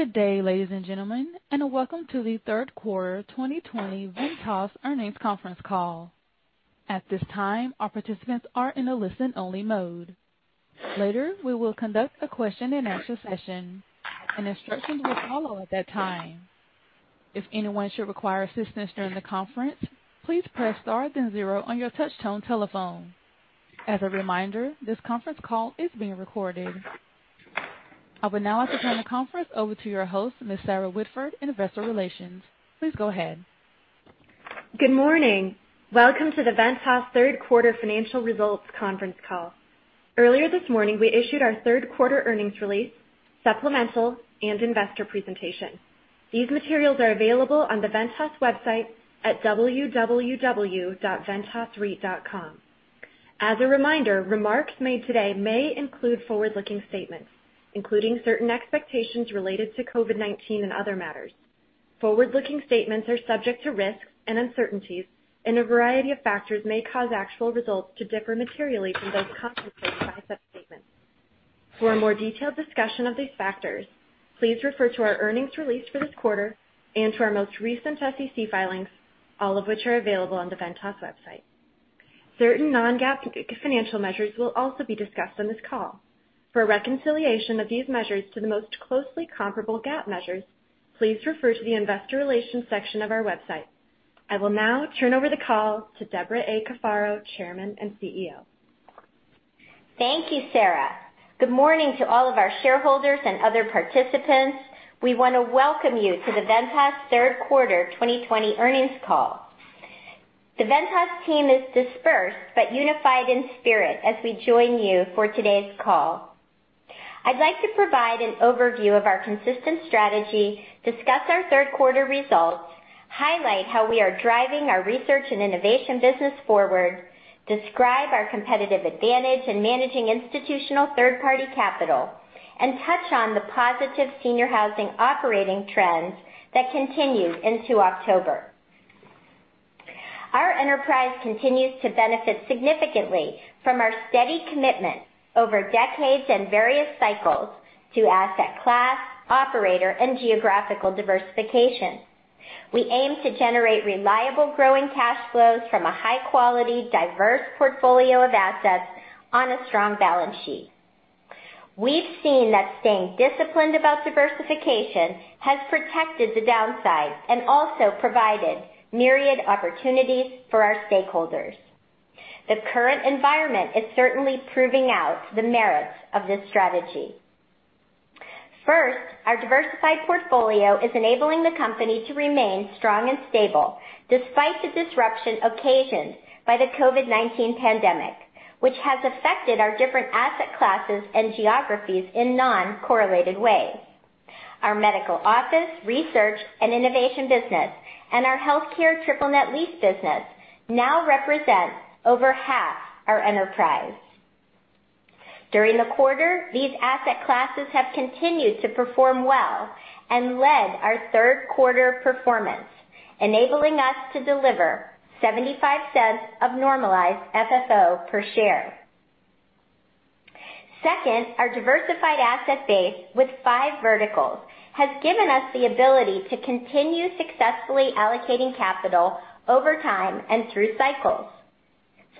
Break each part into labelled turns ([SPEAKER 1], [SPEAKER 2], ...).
[SPEAKER 1] Good day, ladies and gentlemen, and welcome to the third quarter 2020 Ventas Earnings Conference Call. At this time, all participants are in a listen-only mode. Later, we will conduct a question and answer session, and instructions will follow at that time. If anyone should require assistance during the conference, please press star then zero on your touchtone telephone. As a reminder, this conference call is being recorded. I would now like to turn the conference over to your host, Ms. Sarah Whitford in Investor Relations. Please go ahead.
[SPEAKER 2] Good morning. Welcome to the Ventas Third Quarter Financial Results Conference Call. Earlier this morning, we issued our third quarter earnings release, supplemental, and investor presentation. These materials are available on the Ventas website at www.ventasreit.com. As a reminder, remarks made today may include forward-looking statements, including certain expectations related to COVID-19 and other matters. Forward-looking statements are subject to risks and uncertainties, and a variety of factors may cause actual results to differ materially from those contemplated by such statements. For a more detailed discussion of these factors, please refer to our earnings release for this quarter and to our most recent SEC filings, all of which are available on the Ventas website. Certain non-GAAP financial measures will also be discussed on this call. For a reconciliation of these measures to the most closely comparable GAAP measures, please refer to the investor relations section of our website. I will now turn over the call to Debra A. Cafaro, Chairman and CEO.
[SPEAKER 3] Thank you, Sarah. Good morning to all of our shareholders and other participants. We want to welcome you to the Ventas Third Quarter 2020 Earnings Call. The Ventas team is dispersed but unified in spirit as we join you for today's call. I'd like to provide an overview of our consistent strategy, discuss our third quarter results, highlight how we are driving our research and innovation business forward, describe our competitive advantage in managing institutional third-party capital, and touch on the positive senior housing operating trends that continue into October. Our enterprise continues to benefit significantly from our steady commitment over decades and various cycles to asset class, operator, and geographical diversification. We aim to generate reliable growing cash flows from a high-quality, diverse portfolio of assets on a strong balance sheet. We've seen that staying disciplined about diversification has protected the downside and also provided myriad opportunities for our stakeholders. The current environment is certainly proving out the merits of this strategy. First, our diversified portfolio is enabling the company to remain strong and stable despite the disruption occasioned by the COVID-19 pandemic, which has affected our different asset classes and geographies in non-correlated ways. Our medical office, research, and innovation business and our healthcare triple net lease business now represent over half our enterprise. During the quarter, these asset classes have continued to perform well and led our third quarter performance, enabling us to deliver $0.75 of normalized FFO per share. Second, our diversified asset base with five verticals has given us the ability to continue successfully allocating capital over time and through cycles.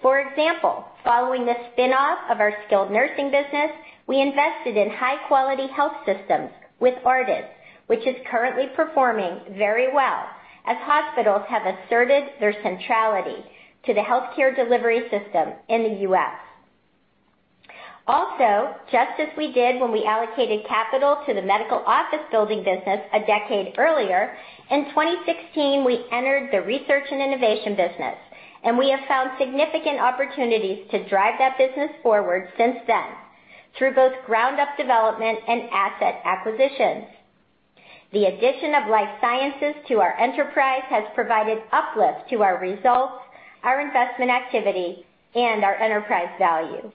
[SPEAKER 3] For example, following the spinoff of our skilled nursing business, we invested in high-quality health systems with Ardent, which is currently performing very well as hospitals have asserted their centrality to the healthcare delivery system in the U.S. Just as we did when we allocated capital to the medical office building business a decade earlier, in 2016, we entered the research and innovation business, and we have found significant opportunities to drive that business forward since then, through both ground-up development and asset acquisitions. The addition of life sciences to our enterprise has provided uplift to our results, our investment activity, and our enterprise value.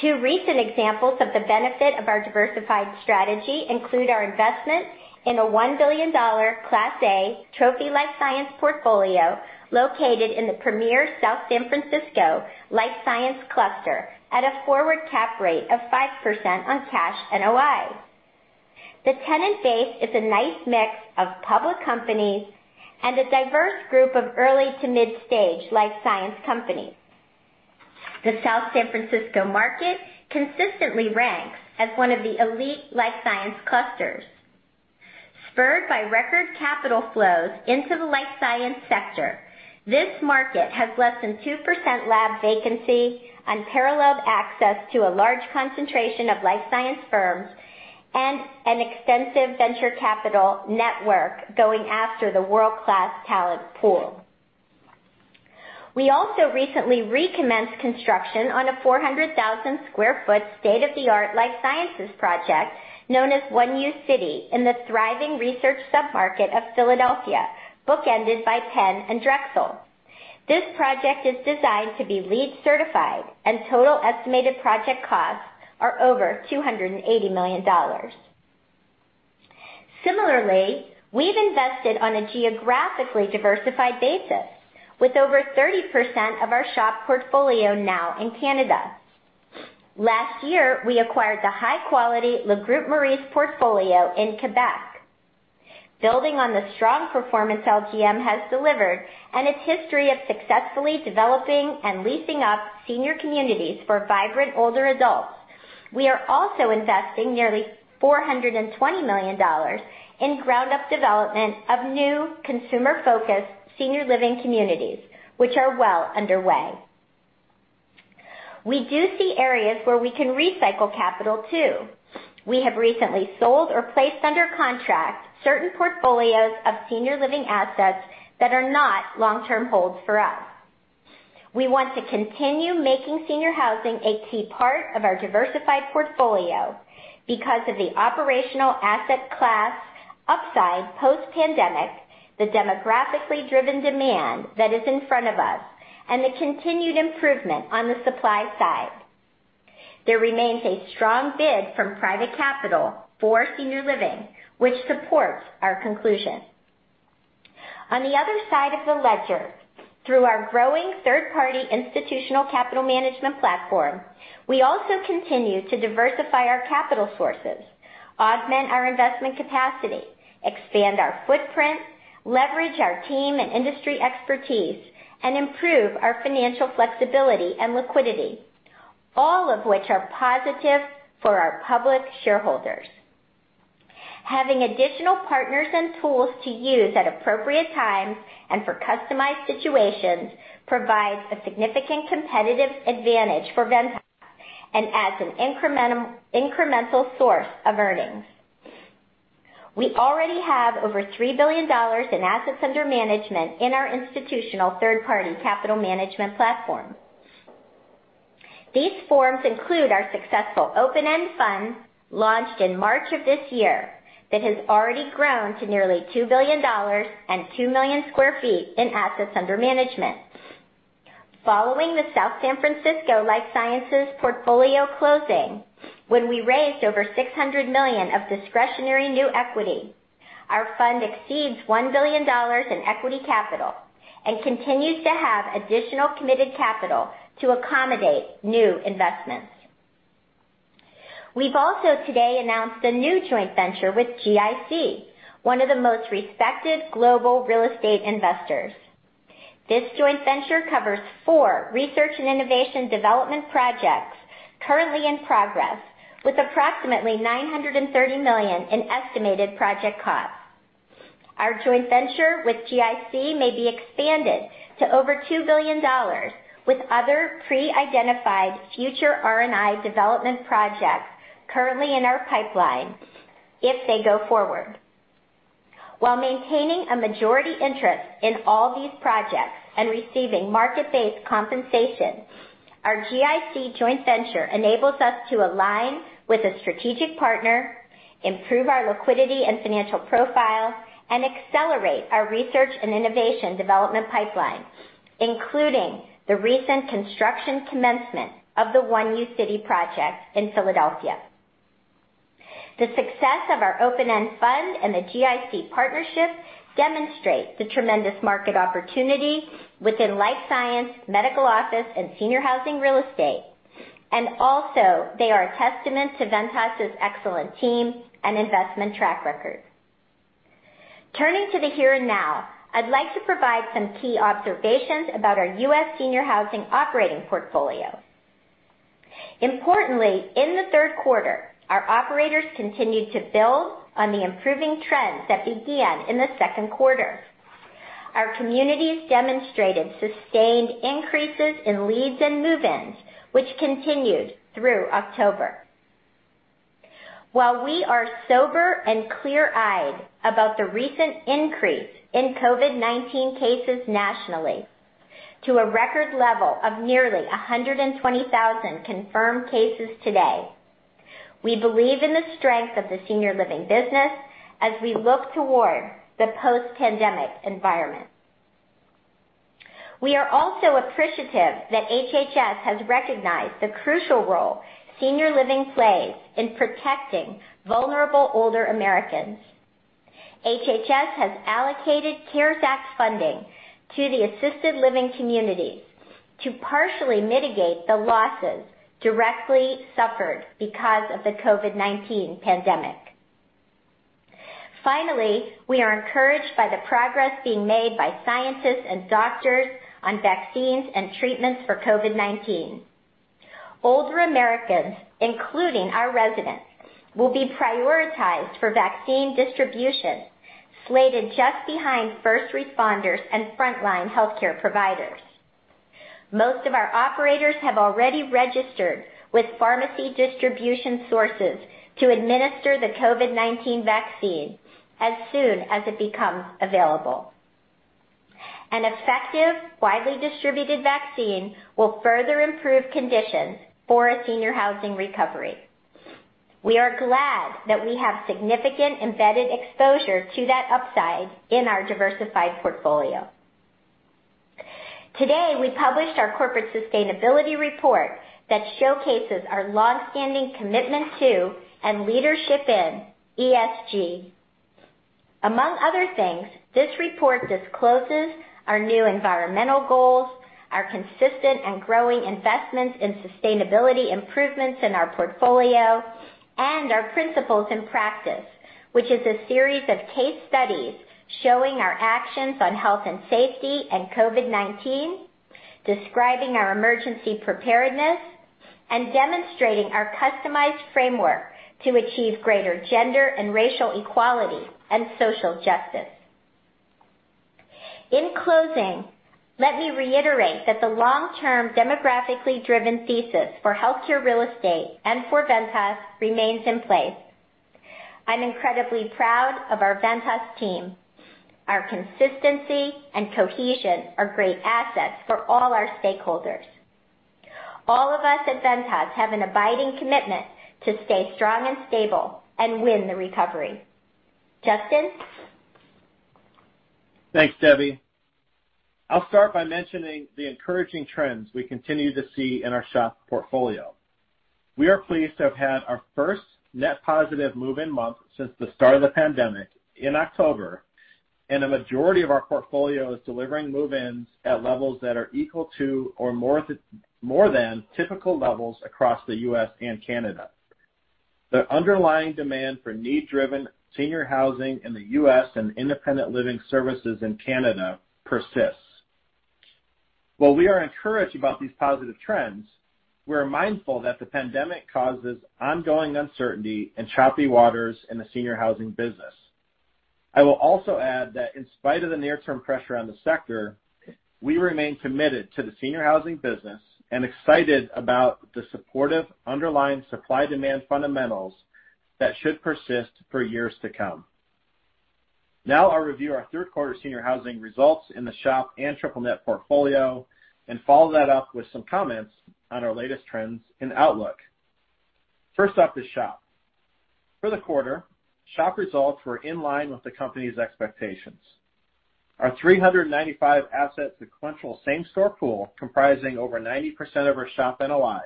[SPEAKER 3] Two recent examples of the benefit of our diversified strategy include our investment in a $1 billion Class A trophy life science portfolio located in the premier South San Francisco life science cluster at a forward cap rate of 5% on cash NOI. The tenant base is a nice mix of public companies and a diverse group of early to mid-stage life science companies. The South San Francisco market consistently ranks as one of the elite life science clusters. Spurred by record capital flows into the life science sector, this market has less than 2% lab vacancy, unparalleled access to a large concentration of life science firms, and an extensive venture capital network going after the world-class talent pool. We also recently recommenced construction on a 400,000 sq ft state-of-the-art life sciences project known as One uCity in the thriving research submarket of Philadelphia, bookended by Penn and Drexel. This project is designed to be LEED certified and total estimated project costs are over $280 million. Similarly, we've invested on a geographically diversified basis with over 30% of our SHOP portfolio now in Canada. Last year, we acquired the high-quality Le Groupe Maurice portfolio in Quebec. Building on the strong performance LGM has delivered and its history of successfully developing and leasing up senior communities for vibrant older adults, we are also investing nearly $420 million in ground-up development of new consumer-focused senior living communities, which are well underway. We do see areas where we can recycle capital too. We have recently sold or placed under contract certain portfolios of senior living assets that are not long-term holds for us. We want to continue making senior housing a key part of our diversified portfolio because of the operational asset class upside post-pandemic, the demographically driven demand that is in front of us, and the continued improvement on the supply side. There remains a strong bid from private capital for senior living, which supports our conclusion. On the other side of the ledger, through our growing third-party institutional capital management platform, we also continue to diversify our capital sources, augment our investment capacity, expand our footprint, leverage our team and industry expertise, and improve our financial flexibility and liquidity, all of which are positive for our public shareholders. Having additional partners and tools to use at appropriate times and for customized situations provides a significant competitive advantage for Ventas and adds an incremental source of earnings. We already have over $3 billion in assets under management in our institutional third-party capital management platform. These forms include our successful open-end fund launched in March of this year that has already grown to nearly $2 billion and 2 million sq ft in assets under management. Following the South San Francisco life sciences portfolio closing, when we raised over $600 million of discretionary new equity, our fund exceeds $1 billion in equity capital and continues to have additional committed capital to accommodate new investments. We've also today announced a new joint venture with GIC, one of the most respected global real estate investors. This joint venture covers four research and innovation development projects currently in progress, with approximately $930 million in estimated project costs. Our joint venture with GIC may be expanded to over $2 billion with other pre-identified future R&I development projects currently in our pipeline if they go forward. While maintaining a majority interest in all these projects and receiving market-based compensation, our GIC joint venture enables us to align with a strategic partner, improve our liquidity and financial profile, and accelerate our research and innovation development pipeline, including the recent construction commencement of the One uCity project in Philadelphia. The success of our open-end fund and the GIC partnership demonstrate the tremendous market opportunity within life science, medical office, and senior housing real estate, and also they are a testament to Ventas's excellent team and investment track record. Turning to the here and now, I'd like to provide some key observations about our U.S. senior housing operating portfolio. Importantly, in the third quarter, our operators continued to build on the improving trends that began in the second quarter. Our communities demonstrated sustained increases in leads and move-ins, which continued through October. While we are sober and clear-eyed about the recent increase in COVID-19 cases nationally to a record level of nearly 120,000 confirmed cases today, we believe in the strength of the senior living business as we look toward the post-pandemic environment. We are also appreciative that HHS has recognized the crucial role senior living plays in protecting vulnerable older Americans. HHS has allocated CARES Act funding to the assisted living communities to partially mitigate the losses directly suffered because of the COVID-19 pandemic. Finally, we are encouraged by the progress being made by scientists and doctors on vaccines and treatments for COVID-19. Older Americans, including our residents, will be prioritized for vaccine distribution slated just behind first responders and frontline healthcare providers. Most of our operators have already registered with pharmacy distribution sources to administer the COVID-19 vaccine as soon as it becomes available. An effective, widely distributed vaccine will further improve conditions for a senior housing recovery. We are glad that we have significant embedded exposure to that upside in our diversified portfolio. Today, we published our corporate sustainability report that showcases our longstanding commitment to, and leadership in ESG. Among other things, this report discloses our new environmental goals, our consistent and growing investments in sustainability improvements in our portfolio, and our principles in practice, which is a series of case studies showing our actions on health and safety and COVID-19, describing our emergency preparedness, and demonstrating our customized framework to achieve greater gender and racial equality and social justice. In closing, let me reiterate that the long-term demographically driven thesis for healthcare real estate and for Ventas remains in place. I'm incredibly proud of our Ventas team. Our consistency and cohesion are great assets for all our stakeholders. All of us at Ventas have an abiding commitment to stay strong and stable and win the recovery. Justin?
[SPEAKER 4] Thanks, Debbie. I'll start by mentioning the encouraging trends we continue to see in our SHOP portfolio. We are pleased to have had our first net positive move-in month since the start of the pandemic in October, and a majority of our portfolio is delivering move-ins at levels that are equal to or more than typical levels across the U.S. and Canada. The underlying demand for need-driven senior housing in the U.S. and independent living services in Canada persists. While we are encouraged about these positive trends, we're mindful that the pandemic causes ongoing uncertainty and choppy waters in the senior housing business. I will also add that in spite of the near-term pressure on the sector, we remain committed to the senior housing business and excited about the supportive underlying supply-demand fundamentals that should persist for years to come. Now I'll review our third quarter senior housing results in the SHOP and triple net portfolio and follow that up with some comments on our latest trends and outlook. First up is SHOP. For the quarter, SHOP results were in line with the company's expectations. Our 395 asset sequential same-store pool, comprising over 90% of our SHOP NOI,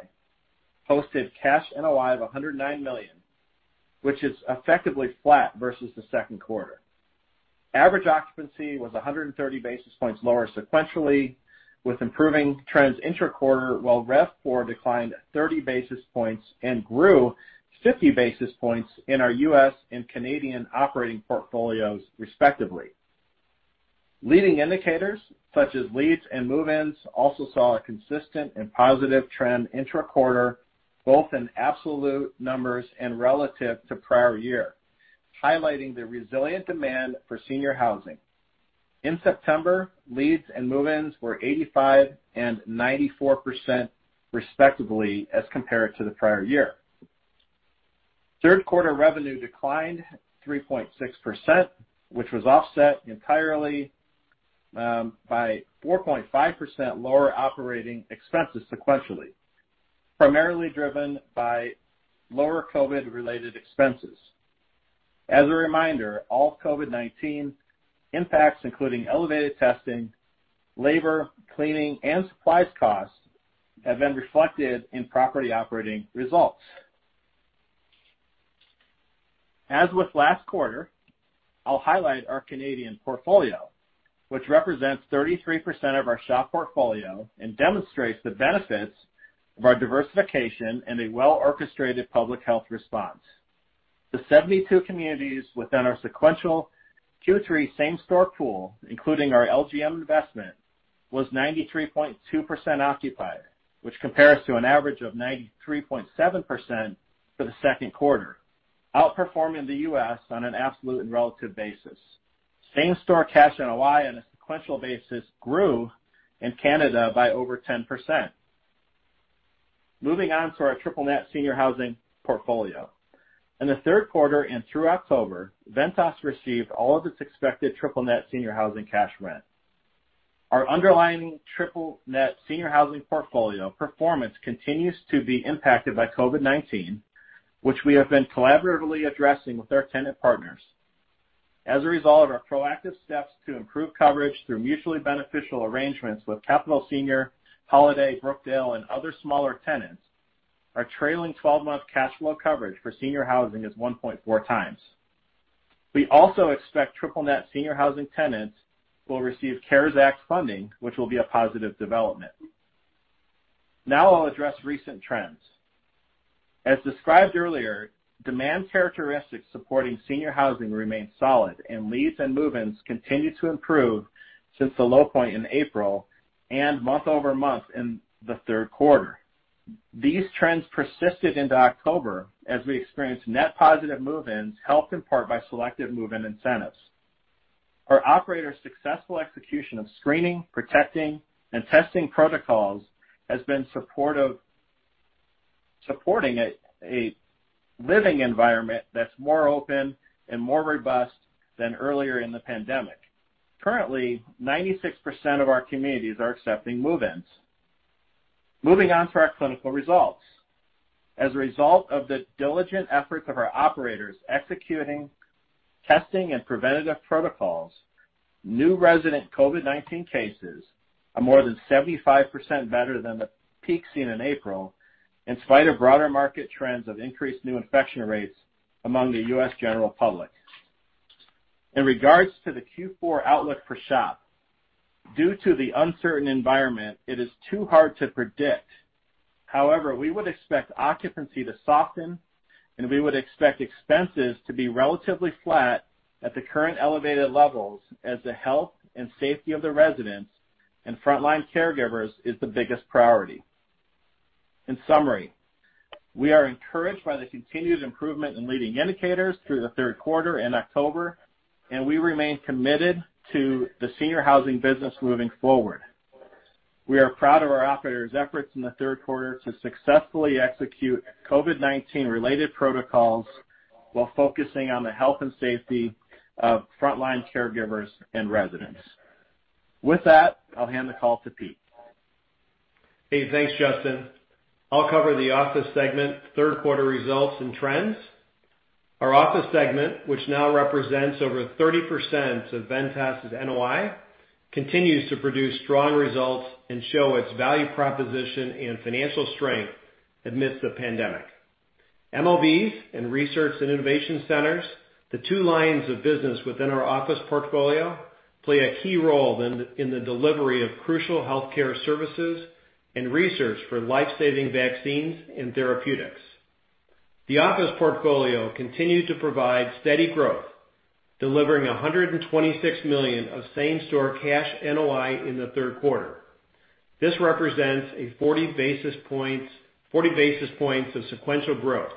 [SPEAKER 4] posted cash NOI of $109 million, which is effectively flat versus the second quarter. Average occupancy was 130 basis points lower sequentially, with improving trends intra-quarter, while RevPAR declined 30 basis points and grew 50 basis points in our U.S. and Canadian operating portfolios respectively. Leading indicators such as leads and move-ins also saw a consistent and positive trend intra-quarter, both in absolute numbers and relative to prior year, highlighting the resilient demand for senior housing. In September, leads and move-ins were 85% and 94% respectively as compared to the prior year. Third quarter revenue declined 3.6%, which was offset entirely by 4.5% lower operating expenses sequentially, primarily driven by lower COVID-related expenses. As a reminder, all COVID-19 impacts, including elevated testing, labor, cleaning, and supplies costs, have been reflected in property operating results. As with last quarter, I'll highlight our Canadian portfolio, which represents 33% of our SHOP portfolio and demonstrates the benefits of our diversification and a well-orchestrated public health response. The 72 communities within our sequential Q3 same-store pool, including our LGM investment, was 93.2% occupied, which compares to an average of 93.7% for the second quarter, outperforming the U.S. on an absolute and relative basis. Same-store cash NOI on a sequential basis grew in Canada by over 10%. Moving on to our triple net senior housing portfolio. In the third quarter and through October, Ventas received all of its expected triple net senior housing cash rent. Our underlying triple net senior housing portfolio performance continues to be impacted by COVID-19, which we have been collaboratively addressing with our tenant partners. As a result of our proactive steps to improve coverage through mutually beneficial arrangements with Capital Senior, Holiday, Brookdale, and other smaller tenants, our trailing 12-month cash flow coverage for senior housing is 1.4x. We also expect triple net senior housing tenants will receive CARES Act funding, which will be a positive development. I'll address recent trends. As described earlier, demand characteristics supporting senior housing remain solid, and leads and move-ins continue to improve since the low point in April and month-over-month in the third quarter. These trends persisted into October as we experienced net positive move-ins, helped in part by selective move-in incentives. Our operators' successful execution of screening, protecting, and testing protocols has been supporting a living environment that's more open and more robust than earlier in the pandemic. Currently, 96% of our communities are accepting move-ins. Moving on to our clinical results. As a result of the diligent efforts of our operators executing testing and preventative protocols, new resident COVID-19 cases are more than 75% better than the peak seen in April, in spite of broader market trends of increased new infection rates among the U.S. general public. In regards to the Q4 outlook for SHOP, due to the uncertain environment, it is too hard to predict. However, we would expect occupancy to soften, and we would expect expenses to be relatively flat at the current elevated levels as the health and safety of the residents and frontline caregivers is the biggest priority. In summary, we are encouraged by the continued improvement in leading indicators through the third quarter and October, and we remain committed to the senior housing business moving forward. We are proud of our operators' efforts in the third quarter to successfully execute COVID-19 related protocols while focusing on the health and safety of frontline caregivers and residents. With that, I'll hand the call to Pete.
[SPEAKER 5] Thanks, Justin. I'll cover the office segment, third quarter results and trends. Our office segment, which now represents over 30% of Ventas' NOI, continues to produce strong results and show its value proposition and financial strength amidst the pandemic. MOBs and Research & Innovation centers, the two lines of business within our office portfolio, play a key role in the delivery of crucial healthcare services and research for life-saving vaccines and therapeutics. The office portfolio continued to provide steady growth, delivering $126 million of same-store cash NOI in the third quarter. This represents a 40 basis points of sequential growth.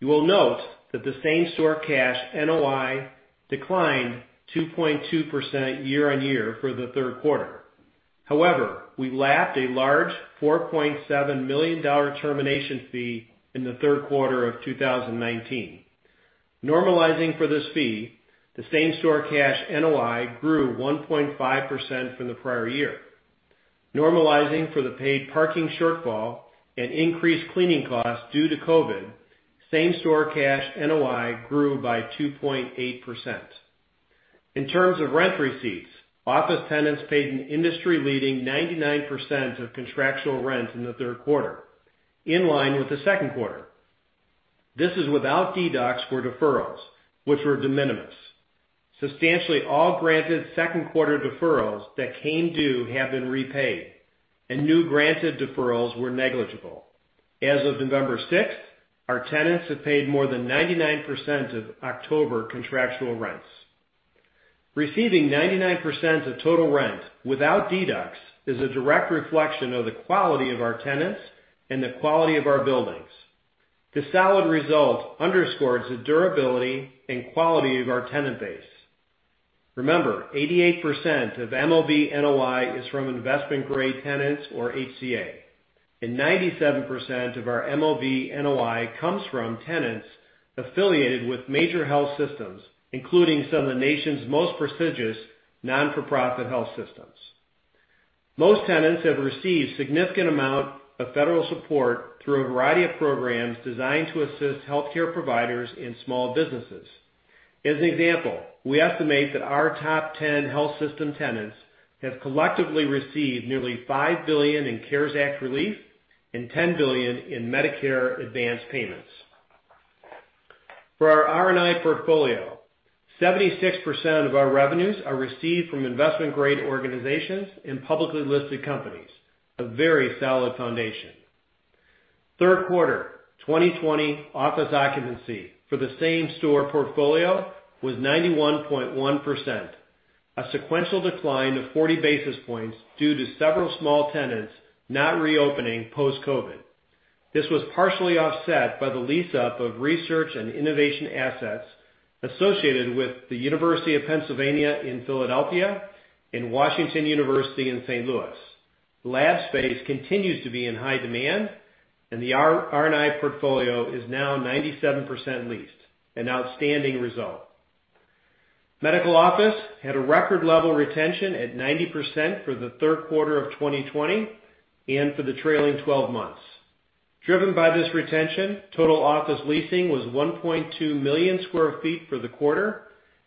[SPEAKER 5] You will note that the same store cash NOI declined 2.2% year-over-year for the third quarter. However, we lapped a large $4.7 million termination fee in the third quarter of 2019. Normalizing for this fee, the same store cash NOI grew 1.5% from the prior year. Normalizing for the paid parking shortfall and increased cleaning costs due to COVID, same store cash NOI grew by 2.8%. In terms of rent receipts, office tenants paid an industry-leading 99% of contractual rent in the third quarter, in line with the second quarter. This is without deducts for deferrals, which were de minimis. Substantially all granted second quarter deferrals that came due have been repaid, and new granted deferrals were negligible. As of November 6th, our tenants have paid more than 99% of October contractual rents. Receiving 99% of total rent without deducts is a direct reflection of the quality of our tenants and the quality of our buildings. The solid result underscores the durability and quality of our tenant base. Remember, 88% of MOB NOI is from investment-grade tenants or HCA, and 97% of our MOB NOI comes from tenants affiliated with major health systems, including some of the nation's most prestigious not-for-profit health systems. Most tenants have received significant amount of federal support through a variety of programs designed to assist healthcare providers and small businesses. As an example, we estimate that our top 10 health system tenants have collectively received nearly $5 billion in CARES Act relief and $10 billion in Medicare advanced payments. For our R&I portfolio, 76% of our revenues are received from investment-grade organizations and publicly listed companies, a very solid foundation. Third quarter 2020 office occupancy for the same store portfolio was 91.1%, a sequential decline of 40 basis points due to several small tenants not reopening post-COVID. This was partially offset by the lease up of Research and Innovation assets associated with the University of Pennsylvania in Philadelphia and Washington University in St. Louis. Lab space continues to be in high demand, and the R&I portfolio is now 97% leased, an outstanding result. Medical Office had a record level retention at 90% for the third quarter of 2020 and for the trailing 12 months. Driven by this retention, total office leasing was 1.2 million sq ft for the quarter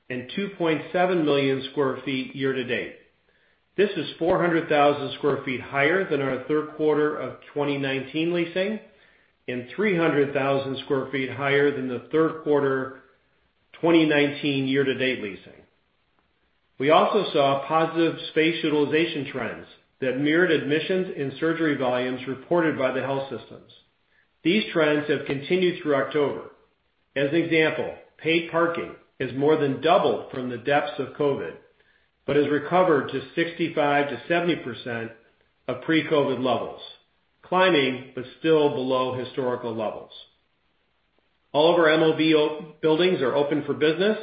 [SPEAKER 5] and 2.7 million sq ft year to date. This is 400,000 sq ft higher than our third quarter of 2019 leasing and 300,000 sq ft higher than the third quarter 2019 year to date leasing. We also saw positive space utilization trends that mirrored admissions and surgery volumes reported by the health systems. These trends have continued through October. As an example, paid parking has more than doubled from the depths of COVID, but has recovered to 65%-70% of pre-COVID levels, climbing but still below historical levels. All of our MOB buildings are open for business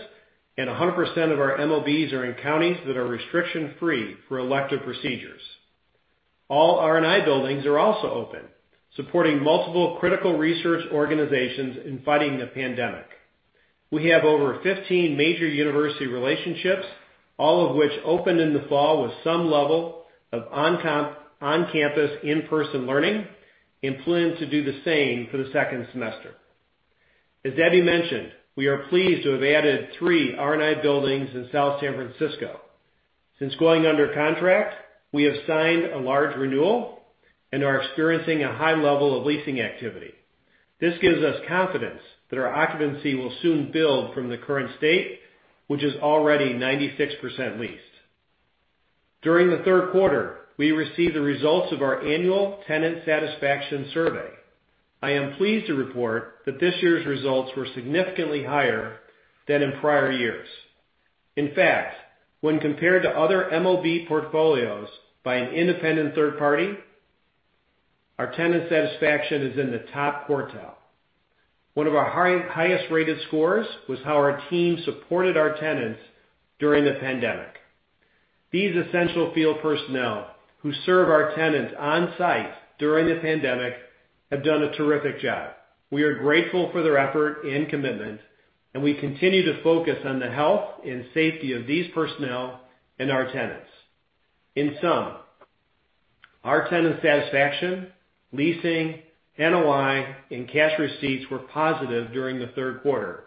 [SPEAKER 5] and 100% of our MOBs are in counties that are restriction-free for elective procedures. All R&I buildings are also open, supporting multiple critical research organizations in fighting the pandemic. We have over 15 major university relationships, all of which opened in the fall with some level of on-campus in-person learning and plan to do the same for the second semester. As Debbie mentioned, we are pleased to have added three R&I buildings in South San Francisco. Since going under contract, we have signed a large renewal and are experiencing a high level of leasing activity. This gives us confidence that our occupancy will soon build from the current state, which is already 96% leased. During the third quarter, we received the results of our annual tenant satisfaction survey. I am pleased to report that this year's results were significantly higher than in prior years. In fact, when compared to other MOB portfolios by an independent third party, our tenant satisfaction is in the top quartile. One of our highest rated scores was how our team supported our tenants during the pandemic. These essential field personnel who serve our tenants on-site during the pandemic have done a terrific job. We are grateful for their effort and commitment, and we continue to focus on the health and safety of these personnel and our tenants. In sum, our tenant satisfaction, leasing, NOI, and cash receipts were positive during the third quarter,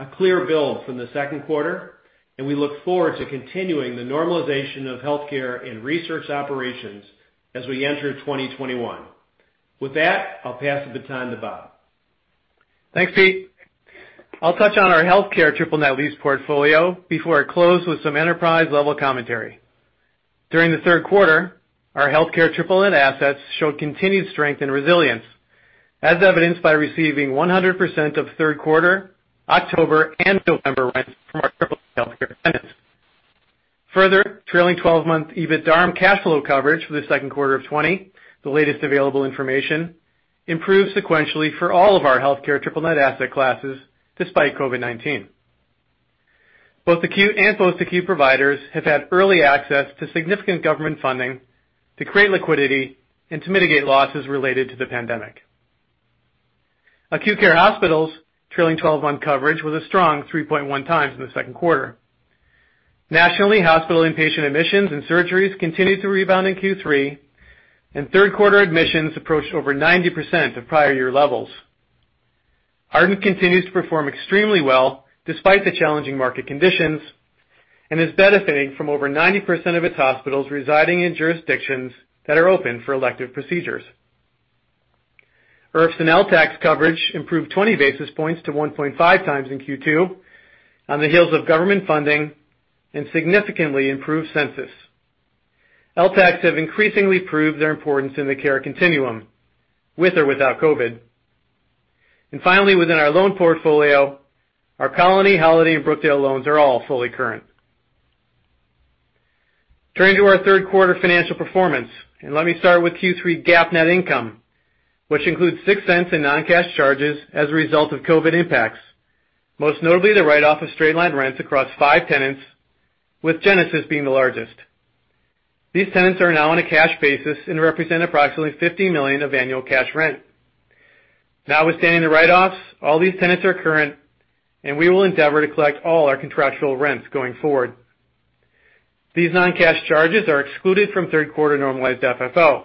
[SPEAKER 5] a clear build from the second quarter, and we look forward to continuing the normalization of healthcare and research operations as we enter 2021. With that, I'll pass the baton to Bob.
[SPEAKER 6] Thanks, Pete. I'll touch on our healthcare triple net lease portfolio before I close with some enterprise level commentary. During the third quarter, our healthcare triple net assets showed continued strength and resilience, as evidenced by receiving 100% of third quarter, October, and November rents from our triple net healthcare tenants. Trailing 12-month EBITDA and cash flow coverage for the second quarter of 2020, the latest available information, improved sequentially for all of our healthcare triple net asset classes, despite COVID-19. Both acute and post-acute providers have had early access to significant government funding to create liquidity and to mitigate losses related to the pandemic. Acute care hospitals' trailing 12-month coverage was a strong 3.1x in the second quarter. Nationally, hospital in-patient admissions and surgeries continued to rebound in Q3. Third quarter admissions approached over 90% of prior year levels. Ardent continues to perform extremely well despite the challenging market conditions and is benefiting from over 90% of its hospitals residing in jurisdictions that are open for elective procedures. IRFs and LTACs coverage improved 20 basis points to 1.5x in Q2 on the heels of government funding and significantly improved census. LTACs have increasingly proved their importance in the care continuum, with or without COVID. Finally, within our loan portfolio, our Colony, Holiday, and Brookdale loans are all fully current. Turning to our third quarter financial performance, let me start with Q3 GAAP net income, which includes $0.06 in non-cash charges as a result of COVID impacts, most notably the write-off of straight-line rents across five tenants, with Genesis being the largest. These tenants are now on a cash basis and represent approximately $50 million of annual cash rent. Notwithstanding the write-offs, all these tenants are current, and we will endeavor to collect all our contractual rents going forward. These non-cash charges are excluded from third quarter normalized FFO.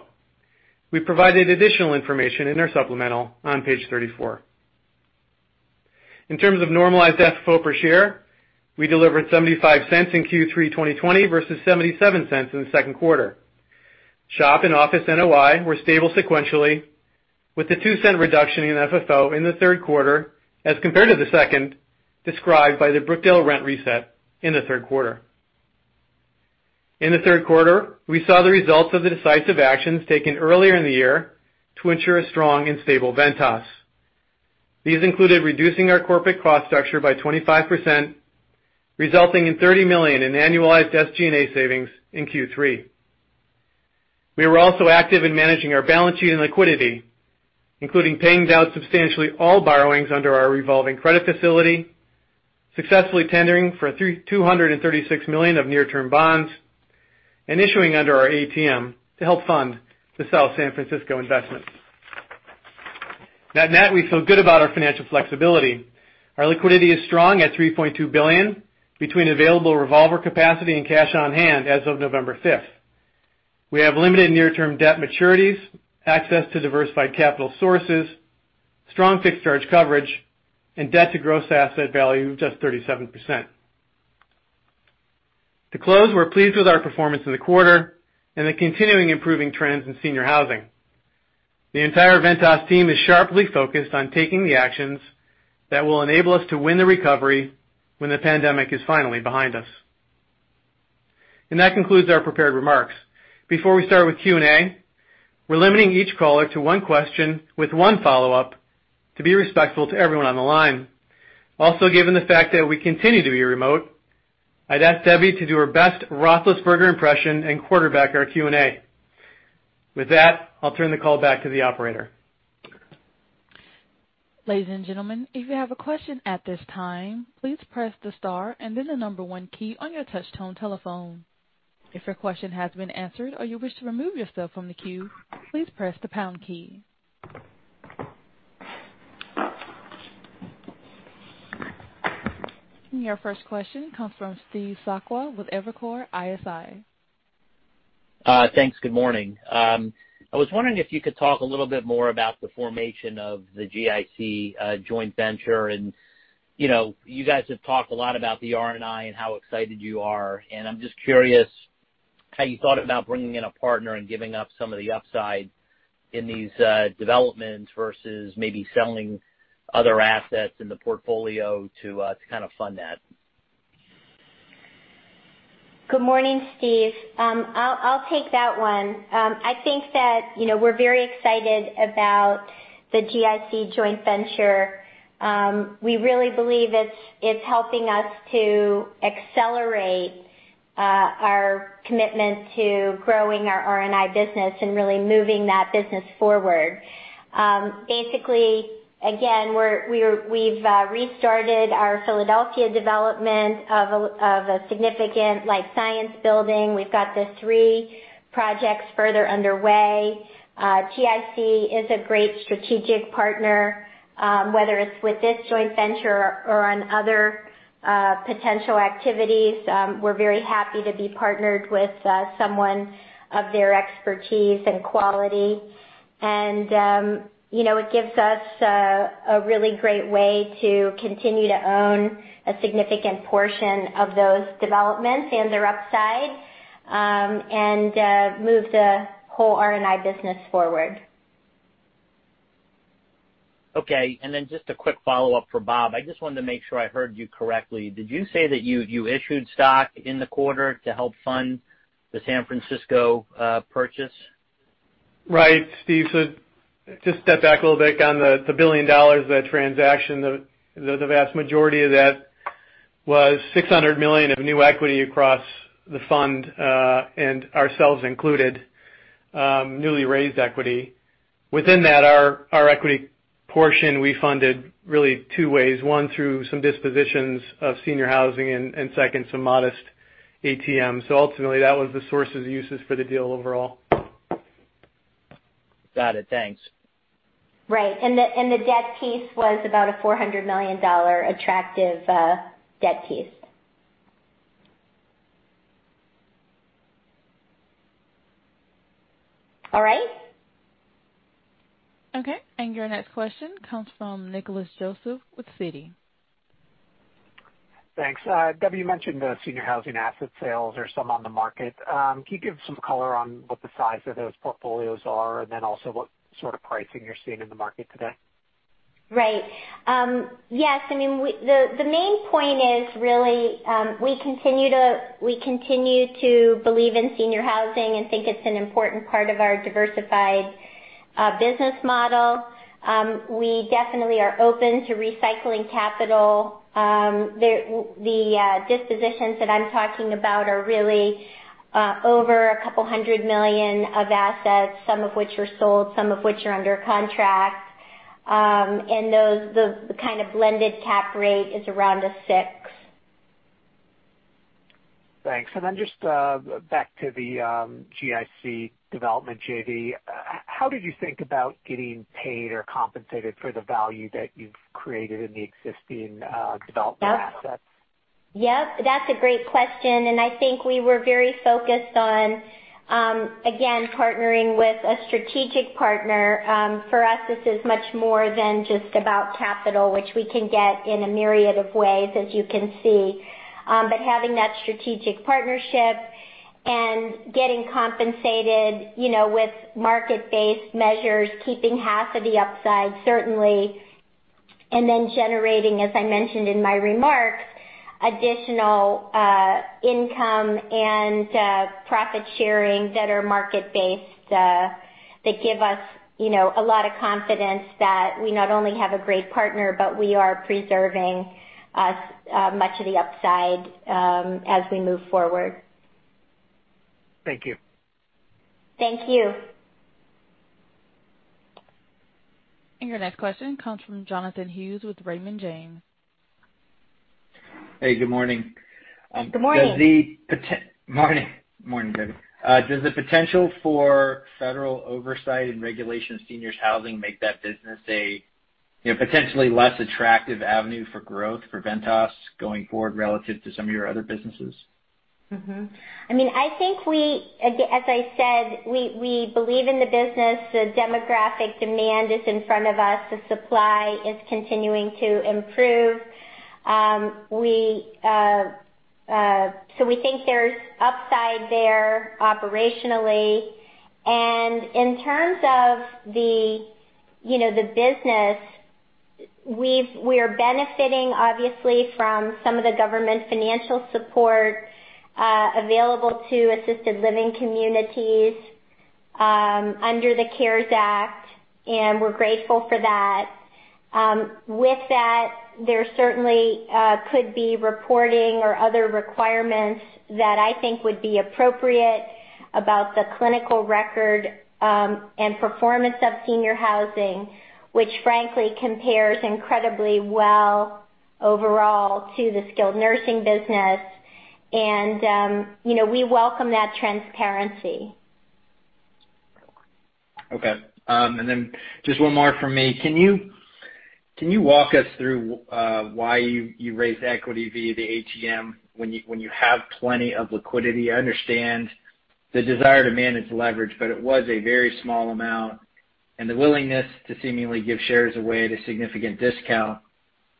[SPEAKER 6] We provided additional information in our supplemental on page 34. In terms of normalized FFO per share, we delivered $0.75 in Q3 2020 versus $0.77 in the second quarter. SHOP and office NOI were stable sequentially, with the $0.02 reduction in FFO in the third quarter as compared to the second described by the Brookdale rent reset in the third quarter. In the third quarter, we saw the results of the decisive actions taken earlier in the year to ensure a strong and stable Ventas. These included reducing our corporate cost structure by 25%, resulting in $30 million in annualized SG&A savings in Q3. We were also active in managing our balance sheet and liquidity, including paying down substantially all borrowings under our revolving credit facility, successfully tendering for $236 million of near-term bonds, and issuing under our ATM to help fund the South San Francisco investment. Net-net, we feel good about our financial flexibility. Our liquidity is strong at $3.2 billion between available revolver capacity and cash on hand as of November 5th. We have limited near-term debt maturities, access to diversified capital sources, strong fixed charge coverage, and debt to gross asset value of just 37%. To close, we're pleased with our performance in the quarter and the continuing improving trends in Senior Housing. The entire Ventas team is sharply focused on taking the actions that will enable us to win the recovery when the pandemic is finally behind us. That concludes our prepared remarks. Before we start with Q&A, we're limiting each caller to one question with one follow-up to be respectful to everyone on the line. Given the fact that we continue to be remote, I'd ask Debbie to do her best Roethlisberger impression and quarterback our Q&A. With that, I'll turn the call back to the operator.
[SPEAKER 1] Ladies and gentlemen, if you have a question at this time, please press the star and then the number one key on your touch tone telephone. If your question has been answered or you wish to remove yourself from the queue, please press the pound key Your first question comes from Steve Sakwa with Evercore ISI.
[SPEAKER 7] Thanks. Good morning. I was wondering if you could talk a little bit more about the formation of the GIC joint venture? You guys have talked a lot about the R&I and how excited you are, and I'm just curious how you thought about bringing in a partner and giving up some of the upside in these developments versus maybe selling other assets in the portfolio to kind of fund that?
[SPEAKER 3] Good morning, Steve. I'll take that one. I think that we're very excited about the GIC joint venture. We really believe it's helping us to accelerate our commitment to growing our R&I business and really moving that business forward. Basically, again, we've restarted our Philadelphia development of a significant life science building. We've got the three projects further underway. GIC is a great strategic partner, whether it's with this joint venture or on other potential activities. We're very happy to be partnered with someone of their expertise and quality. It gives us a really great way to continue to own a significant portion of those developments and their upside, and move the whole R&I business forward.
[SPEAKER 7] Okay. Then just a quick follow-up for Bob. I just wanted to make sure I heard you correctly. Did you say that you issued stock in the quarter to help fund the San Francisco purchase?
[SPEAKER 6] Right. Steve, just step back a little bit. On the $1 billion, that transaction, the vast majority of that was $600 million of new equity across the fund, and ourselves included, newly raised equity. Within that, our equity portion we funded really two ways. One, through some dispositions of senior housing, and second, some modest ATMs. Ultimately, that was the source of uses for the deal overall.
[SPEAKER 7] Got it. Thanks.
[SPEAKER 3] Right. The debt piece was about a $400 million attractive debt piece. All right?
[SPEAKER 1] Okay. Your next question comes from Nicholas Joseph with Citi.
[SPEAKER 8] Thanks. Debbie, you mentioned the senior housing asset sales or some on the market. Can you give some color on what the size of those portfolios are, and then also what sort of pricing you're seeing in the market today?
[SPEAKER 3] Right. Yes. I mean, the main point is really, we continue to believe in senior housing and think it's an important part of our diversified business model. We definitely are open to recycling capital. The dispositions that I'm talking about are really over a couple hundred million of assets, some of which are sold, some of which are under contract. Those, the kind of blended cap rate is around 6%.
[SPEAKER 8] Thanks. Just back to the GIC development JV, how did you think about getting paid or compensated for the value that you've created in the existing development assets?
[SPEAKER 3] Yep, that's a great question. I think we were very focused on, again, partnering with a strategic partner. For us, this is much more than just about capital, which we can get in a myriad of ways, as you can see. Having that strategic partnership and getting compensated with market-based measures, keeping half of the upside, certainly, and then generating, as I mentioned in my remarks, additional income and profit-sharing that are market-based, that give us a lot of confidence that we not only have a great partner, but we are preserving much of the upside as we move forward.
[SPEAKER 8] Thank you.
[SPEAKER 3] Thank you.
[SPEAKER 1] Your next question comes from Jonathan Hughes with Raymond James.
[SPEAKER 9] Hey, good morning.
[SPEAKER 3] Good morning.
[SPEAKER 9] Morning, Debbie. Does the potential for federal oversight and regulation of seniors housing make that business a potentially less attractive avenue for growth for Ventas going forward relative to some of your other businesses?
[SPEAKER 3] I think, as I said, we believe in the business. The demographic demand is in front of us. The supply is continuing to improve. We think there's upside there operationally. In terms of the business, we are benefiting, obviously, from some of the government financial support available to assisted living communities under the CARES Act, and we're grateful for that. With that, there certainly could be reporting or other requirements that I think would be appropriate about the clinical record, and performance of senior housing, which frankly compares incredibly well overall to the skilled nursing business. We welcome that transparency.
[SPEAKER 9] Okay. Then just one more from me. Can you walk us through why you raised equity via the ATM when you have plenty of liquidity? I understand the desire to manage leverage, but it was a very small amount, and the willingness to seemingly give shares away at a significant discount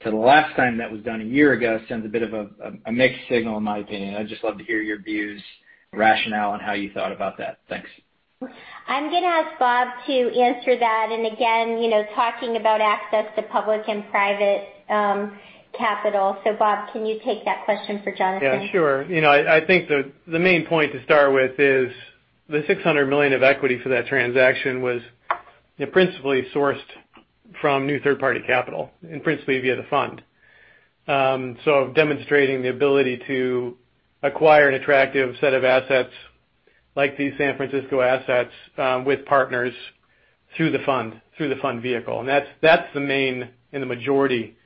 [SPEAKER 9] to the last time that was done a year ago sends a bit of a mixed signal, in my opinion. I'd just love to hear your views, rationale, and how you thought about that. Thanks.
[SPEAKER 3] I'm going to ask Bob to answer that. Again, talking about access to public and private capital. Bob, can you take that question for Jonathan?
[SPEAKER 6] Yeah, sure. I think the main point to start with is the $600 million of equity for that transaction was principally sourced from new third-party capital, principally via the fund. Demonstrating the ability to acquire an attractive set of assets like these San Francisco assets, with partners through the fund vehicle. That's the main and the majority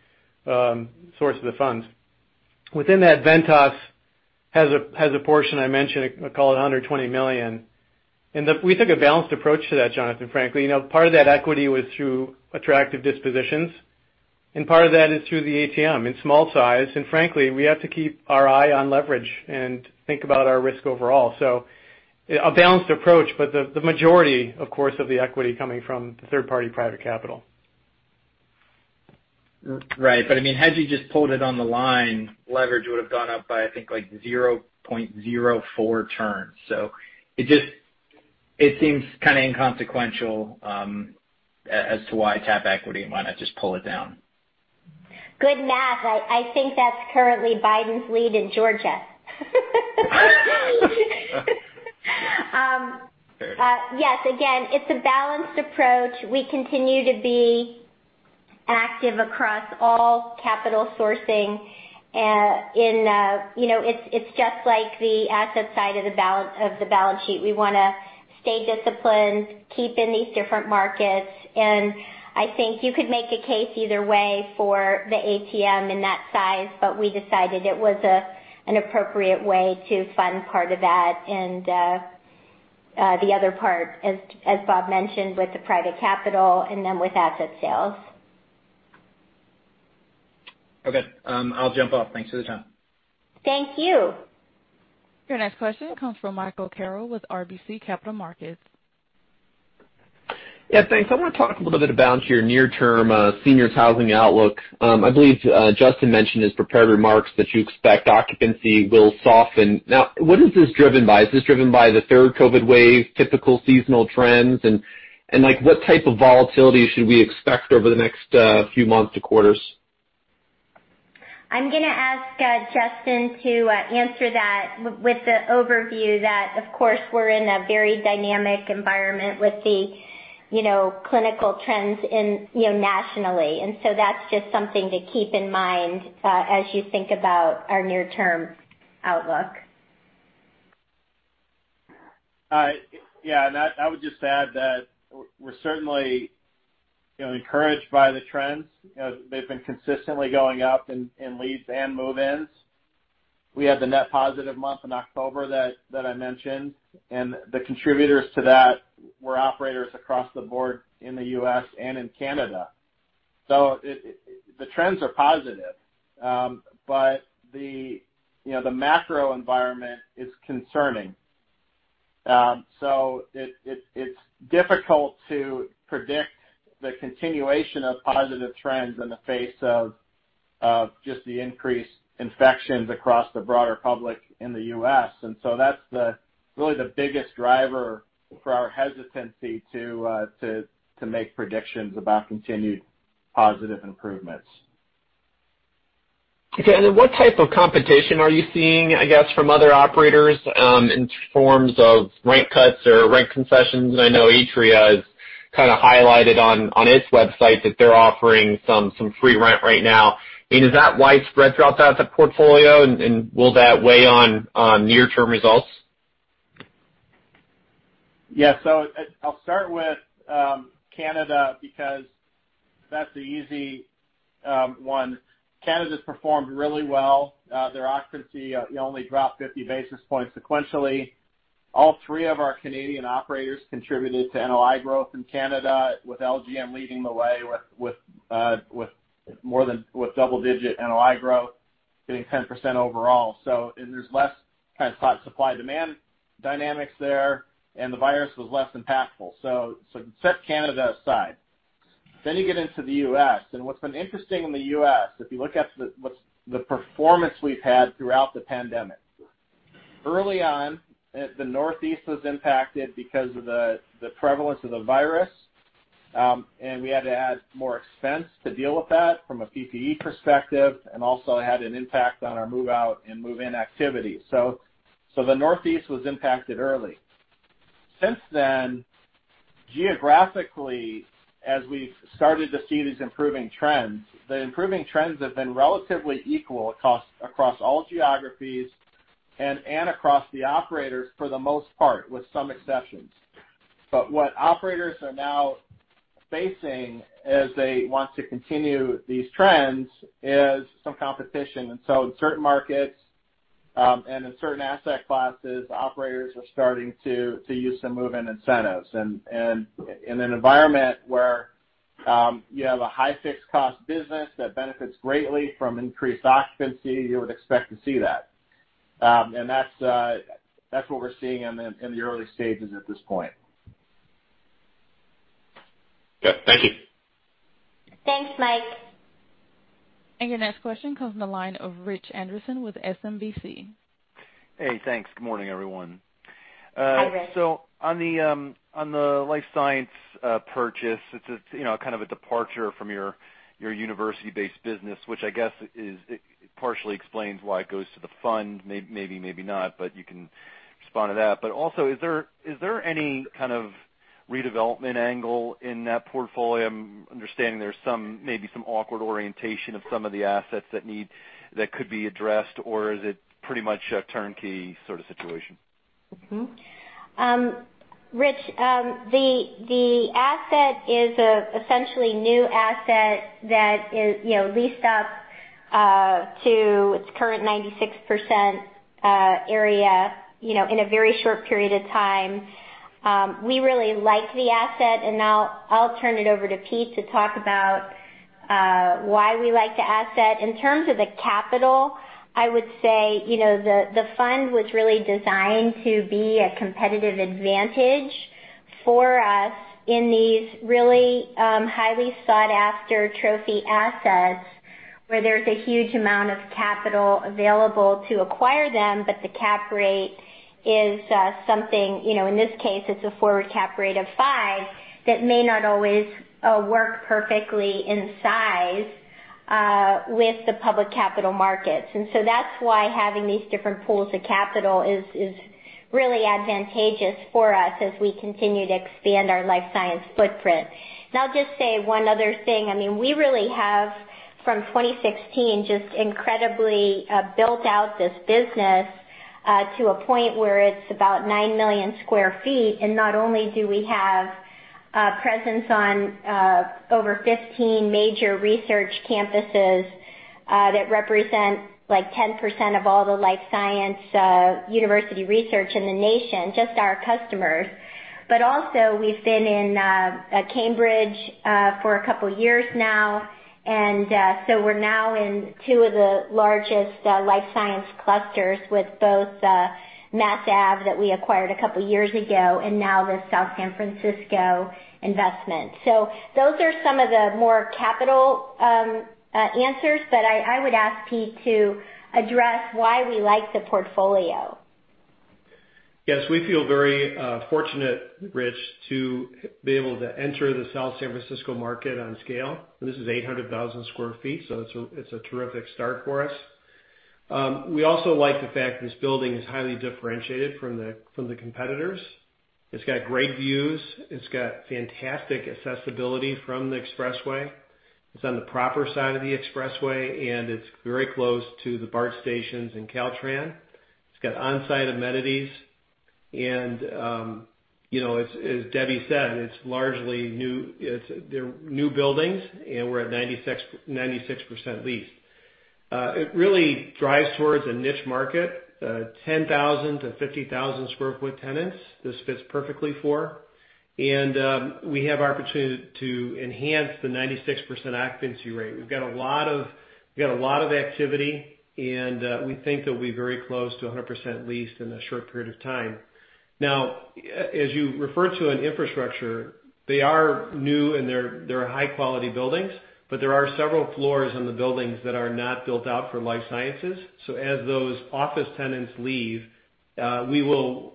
[SPEAKER 6] source of the funds. Within that, Ventas has a portion I mentioned, I call it $120 million. We took a balanced approach to that, Jonathan, frankly. Part of that equity was through attractive dispositions, part of that is through the ATM in small size. Frankly, we have to keep our eye on leverage and think about our risk overall. A balanced approach, but the majority, of course, of the equity coming from the third-party private capital.
[SPEAKER 9] Right. Had you just pulled it on the line, leverage would've gone up by, I think, 0.04 turns. It just seems kind of inconsequential as to why tap equity. Might not just pull it down.
[SPEAKER 3] Good math. I think that's currently Biden's lead in Georgia. Yes, again, it's a balanced approach. We continue to be active across all capital sourcing. It's just like the asset side of the balance sheet. We want to stay disciplined, keep in these different markets, and I think you could make a case either way for the ATM in that size, but we decided it was an appropriate way to fund part of that and the other part, as Bob mentioned, with the private capital and then with asset sales.
[SPEAKER 9] Okay. I'll jump off. Thanks for the time.
[SPEAKER 3] Thank you.
[SPEAKER 1] Your next question comes from Michael Carroll with RBC Capital Markets.
[SPEAKER 10] Yeah, thanks. I want to talk a little bit about your near-term seniors housing outlook. I believe Justin mentioned his prepared remarks that you expect occupancy will soften. Now, what is this driven by? Is this driven by the third COVID wave, typical seasonal trends, and what type of volatility should we expect over the next few months to quarters?
[SPEAKER 3] I'm going to ask Justin to answer that with the overview that, of course, we're in a very dynamic environment with the clinical trends nationally. That's just something to keep in mind as you think about our near-term outlook.
[SPEAKER 4] Yeah. I would just add that we're certainly encouraged by the trends. They've been consistently going up in leads and move-ins. We had the net positive month in October that I mentioned, and the contributors to that were operators across the board in the U.S. and in Canada. The trends are positive. The macro environment is concerning. It's difficult to predict the continuation of positive trends in the face of just the increased infections across the broader public in the U.S. That's really the biggest driver for our hesitancy to make predictions about continued positive improvements.
[SPEAKER 10] Okay, what type of competition are you seeing, I guess, from other operators, in forms of rent cuts or rent concessions? I know Atria has kind of highlighted on its website that they're offering some free rent right now. Is that widespread throughout the portfolio, and will that weigh on near-term results?
[SPEAKER 4] I'll start with Canada, because that's the easy one. Canada's performed really well. Their occupancy only dropped 50 basis points sequentially. All three of our Canadian operators contributed to NOI growth in Canada, with LGM leading the way with double-digit NOI growth, getting 10% overall. There's less kind of supply-demand dynamics there, and the virus was less impactful. Set Canada aside. You get into the U.S., and what's been interesting in the U.S., if you look at the performance we've had throughout the pandemic. Early on, the Northeast was impacted because of the prevalence of the virus. We had to add more expense to deal with that from a PPE perspective, and also had an impact on our move-out and move-in activity. The Northeast was impacted early. Geographically, as we've started to see these improving trends, the improving trends have been relatively equal across all geographies and across the operators for the most part, with some exceptions. What operators are now facing as they want to continue these trends is some competition. In certain markets, and in certain asset classes, operators are starting to use some move-in incentives. In an environment where you have a high fixed cost business that benefits greatly from increased occupancy, you would expect to see that. That's what we're seeing in the early stages at this point.
[SPEAKER 10] Yeah. Thank you.
[SPEAKER 3] Thanks, Mike.
[SPEAKER 1] Your next question comes from the line of Rich Anderson with SMBC.
[SPEAKER 11] Hey, thanks. Good morning, everyone.
[SPEAKER 3] Hi, Rich.
[SPEAKER 11] On the life science purchase, it's kind of a departure from your university-based business, which I guess partially explains why it goes to the fund, maybe not, but you can respond to that. Also, is there any kind of redevelopment angle in that portfolio? I'm understanding there's maybe some awkward orientation of some of the assets that could be addressed, or is it pretty much a turnkey sort of situation?
[SPEAKER 3] Rich, the asset is essentially new asset that is leased up to its current 96% area in a very short period of time. We really like the asset, now I'll turn it over to Pete to talk about why we like the asset. In terms of the capital, I would say, the fund was really designed to be a competitive advantage for us in these really highly sought-after trophy assets, where there's a huge amount of capital available to acquire them, the cap rate is something, in this case, it's a forward cap rate of five that may not always work perfectly in size with the public capital markets. That's why having these different pools of capital is really advantageous for us as we continue to expand our life science footprint. I'll just say one other thing. We really have, from 2016, just incredibly built out this business to a point where it's about 9 million sq ft. Not only do we have a presence on over 15 major research campuses that represent 10% of all the life science university research in the nation, just our customers. Also, we've been in Cambridge for a couple of years now. We're now in two of the largest life science clusters with both Mass Ave that we acquired a couple of years ago, and now this South San Francisco investment. Those are some of the more capital clusters. I would ask Pete to address why we like the portfolio.
[SPEAKER 5] Yes. We feel very fortunate, Rich, to be able to enter the South San Francisco market on scale. This is 800,000 sq ft, so it's a terrific start for us. We also like the fact this building is highly differentiated from the competitors. It's got great views. It's got fantastic accessibility from the expressway. It's on the proper side of the expressway, and it's very close to the BART stations and Caltrain. It's got on-site amenities. As Debbie said, it's largely new buildings, and we're at 96% leased. It really drives towards a niche market, 10,000-50,000 sq ft tenants, this fits perfectly for. We have opportunity to enhance the 96% occupancy rate. We've got a lot of activity, and we think it'll be very close to 100% leased in a short period of time. Now, as you refer to in infrastructure, they are new and they're high-quality buildings, but there are several floors in the buildings that are not built out for life sciences. So as those office tenants leave, we will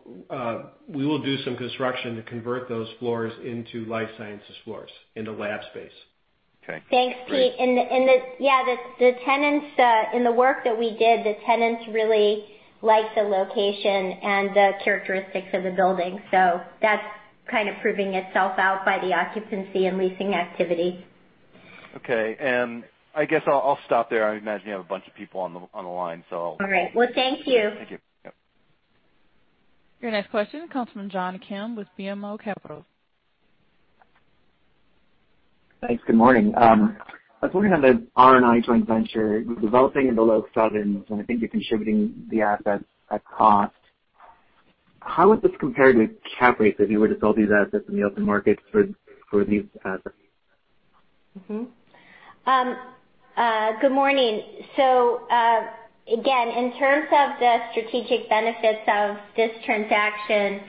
[SPEAKER 5] do some construction to convert those floors into life sciences floors, into lab space.
[SPEAKER 11] Okay. Great.
[SPEAKER 3] Thanks, Pete. In the work that we did, the tenants really liked the location and the characteristics of the building. That's kind of proving itself out by the occupancy and leasing activity.
[SPEAKER 11] Okay. I guess I'll stop there. I imagine you have a bunch of people on the line.
[SPEAKER 3] All right. Well, thank you.
[SPEAKER 11] Thank you. Yep.
[SPEAKER 1] Your next question comes from John Kim with BMO Capital.
[SPEAKER 12] Thanks. Good morning. I was wondering on the R&I joint venture, I think you're developing in the low sevens, and I think you're contributing the assets at cost. How would this compare to cap rates if you were to sell these assets in the open market for these assets?
[SPEAKER 3] Good morning. Again, in terms of the strategic benefits of this transaction,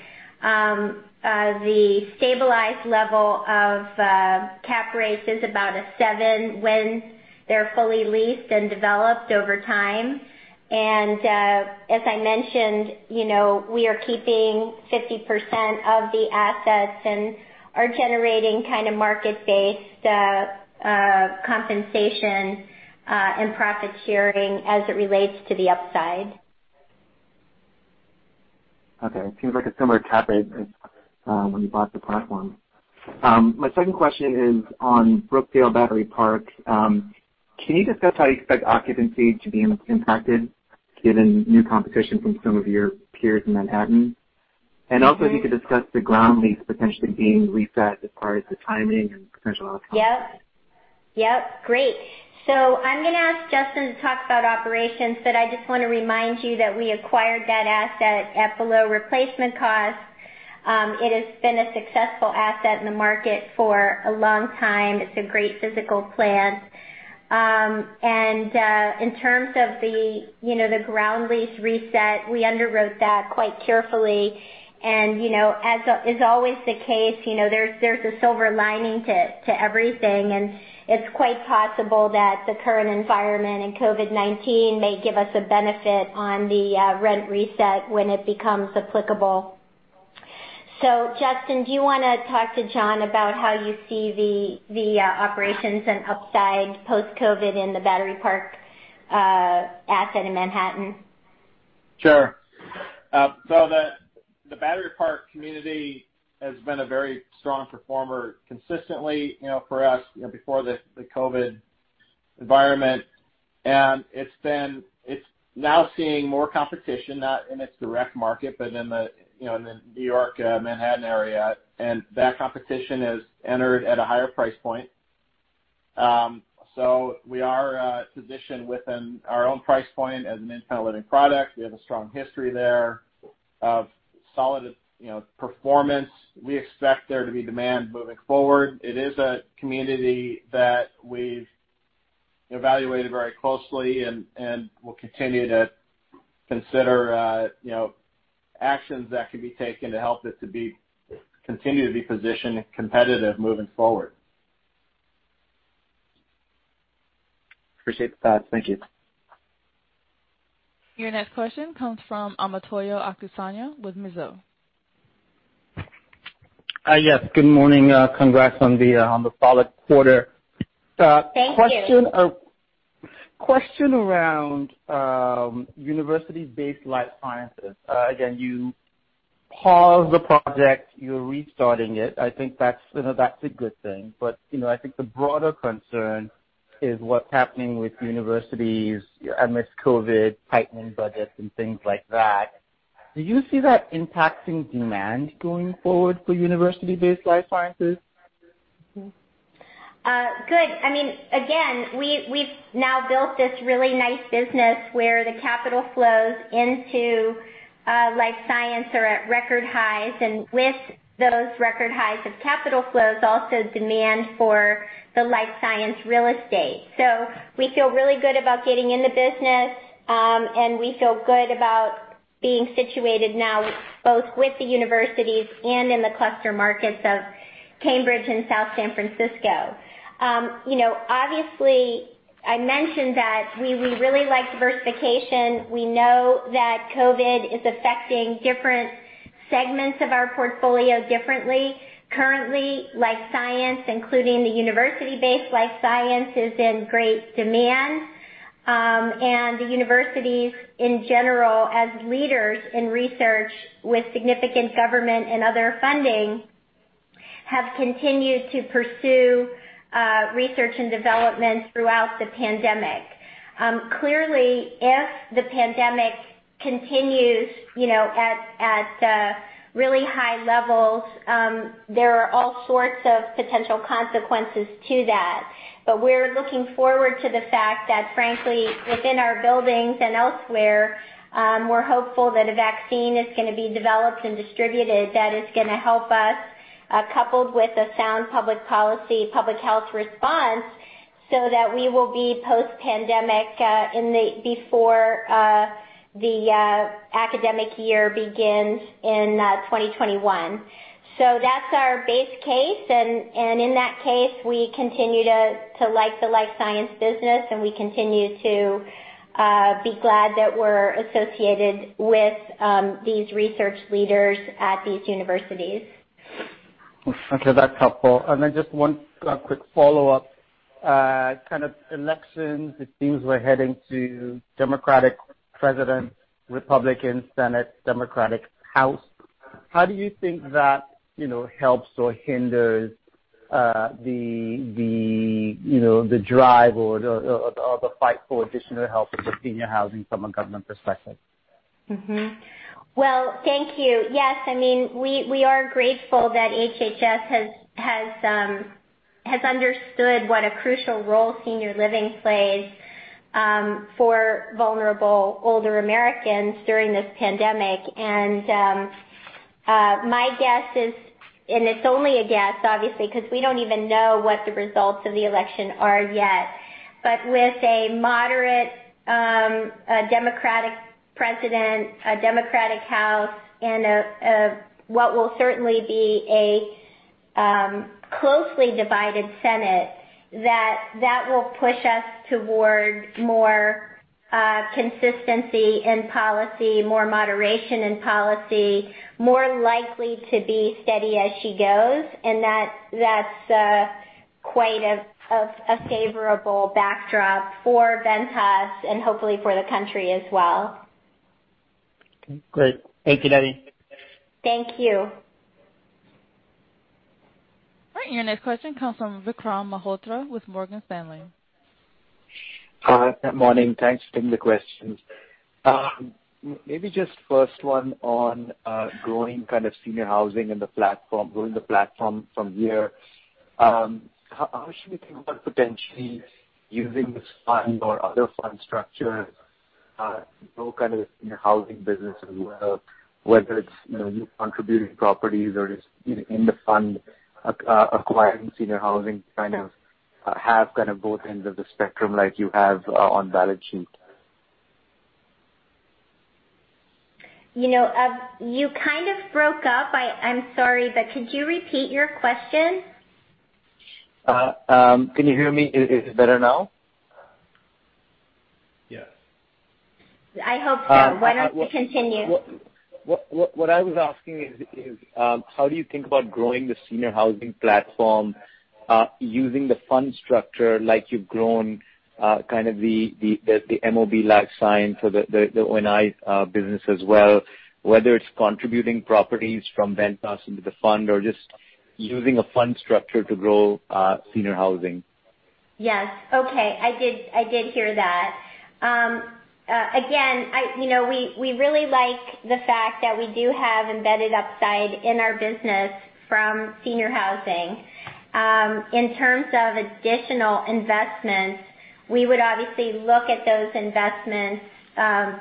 [SPEAKER 3] the stabilized level of cap rates is about a seven when they're fully leased and developed over time. As I mentioned, we are keeping 50% of the assets and are generating kind of market-based compensation and profit sharing as it relates to the upside.
[SPEAKER 12] Okay. Seems like a similar CapEx as when you bought the platform. My second question is on Brookdale Battery Park. Can you discuss how you expect occupancy to be impacted given new competition from some of your peers in Manhattan? Also, if you could discuss the ground lease potentially being reset as far as the timing and potential outcomes.
[SPEAKER 3] Yep. Great. I'm going to ask Justin to talk about operations, but I just want to remind you that we acquired that asset at below replacement cost. It has been a successful asset in the market for a long time. It's a great physical plant. In terms of the ground lease reset, we underwrote that quite carefully. As is always the case, there's a silver lining to everything, and it's quite possible that the current environment and COVID-19 may give us a benefit on the rent reset when it becomes applicable. Justin, do you want to talk to John about how you see the operations and upside post-COVID in the Battery Park asset in Manhattan?
[SPEAKER 4] Sure. The Battery Park community has been a very strong performer consistently for us before the COVID environment. It's now seeing more competition, not in its direct market, but in the New York, Manhattan area. That competition has entered at a higher price point. We are positioned within our own price point as an independent living product. We have a strong history there of solid performance. We expect there to be demand moving forward. It is a community that we've evaluated very closely and we'll continue to consider actions that can be taken to help it to continue to be positioned competitive moving forward.
[SPEAKER 12] Appreciate the thoughts. Thank you.
[SPEAKER 1] Your next question comes from Omotayo Okusanya with Mizuho.
[SPEAKER 13] Yes. Good morning. Congrats on the solid quarter.
[SPEAKER 3] Thank you.
[SPEAKER 13] Question around university-based life sciences. You paused the project, you're restarting it. I think that's a good thing. I think the broader concern is what's happening with universities amidst COVID, tightening budgets and things like that. Do you see that impacting demand going forward for university-based life sciences?
[SPEAKER 3] Good. Again, we've now built this really nice business where the capital flows into life science are at record highs, and with those record highs of capital flows, also demand for the life science real estate. We feel really good about getting in the business, and we feel good about being situated now both with the universities and in the cluster markets of Cambridge and South San Francisco. Obviously, I mentioned that we really like diversification. We know that COVID is affecting different segments of our portfolio differently. Currently, life science, including the university-based life science, is in great demand. The universities in general, as leaders in research with significant government and other funding, have continued to pursue research and development throughout the pandemic. Clearly, if the pandemic continues at really high levels, there are all sorts of potential consequences to that. We're looking forward to the fact that, frankly, within our buildings and elsewhere, we're hopeful that a vaccine is going to be developed and distributed that is going to help us, coupled with a sound public policy, public health response, so that we will be post-pandemic before the academic year begins in 2021. That's our base case. In that case, we continue to like the life science business, and we continue to be glad that we're associated with these research leaders at these universities.
[SPEAKER 13] Okay. That's helpful. Just one quick follow-up. Kind of elections, it seems we're heading to Democratic President, Republican Senate, Democratic House. How do you think that helps or hinders the drive or the fight for additional help with the senior housing from a government perspective?
[SPEAKER 3] Well, thank you. Yes, we are grateful that HHS has understood what a crucial role senior living plays for vulnerable older Americans during this pandemic. My guess is, and it's only a guess, obviously, because we don't even know what the results of the election are yet. With a moderate Democratic president, a Democratic House, and what will certainly be a closely divided Senate, that will push us toward more consistency in policy, more moderation in policy, more likely to be steady as she goes, and that's quite a favorable backdrop for Ventas and hopefully for the country as well.
[SPEAKER 13] Okay, great. Thank you, Debbie.
[SPEAKER 3] Thank you.
[SPEAKER 1] All right. Your next question comes from Vikram Malhotra with Morgan Stanley.
[SPEAKER 14] Hi. Good morning. Thanks for taking the questions. Maybe just first one on growing senior housing in the platform, growing the platform from here. How should we think about potentially using this fund or other fund structures to grow kind of senior housing business as well, whether it's you contributing properties or just in the fund acquiring senior housing to kind of have both ends of the spectrum like you have on balance sheet?
[SPEAKER 3] You kind of broke up. I'm sorry, but could you repeat your question?
[SPEAKER 14] Can you hear me? Is it better now?
[SPEAKER 13] Yes.
[SPEAKER 3] I hope so. Why don't you continue?
[SPEAKER 14] What I was asking is how do you think about growing the senior housing platform, using the fund structure like you've grown, kind of the MOB-like R&I business as well, whether it's contributing properties from Ventas into the fund or just using a fund structure to grow senior housing?
[SPEAKER 3] Yes. Okay. I did hear that. Again, we really like the fact that we do have embedded upside in our business from senior housing. In terms of additional investments, we would obviously look at those investments,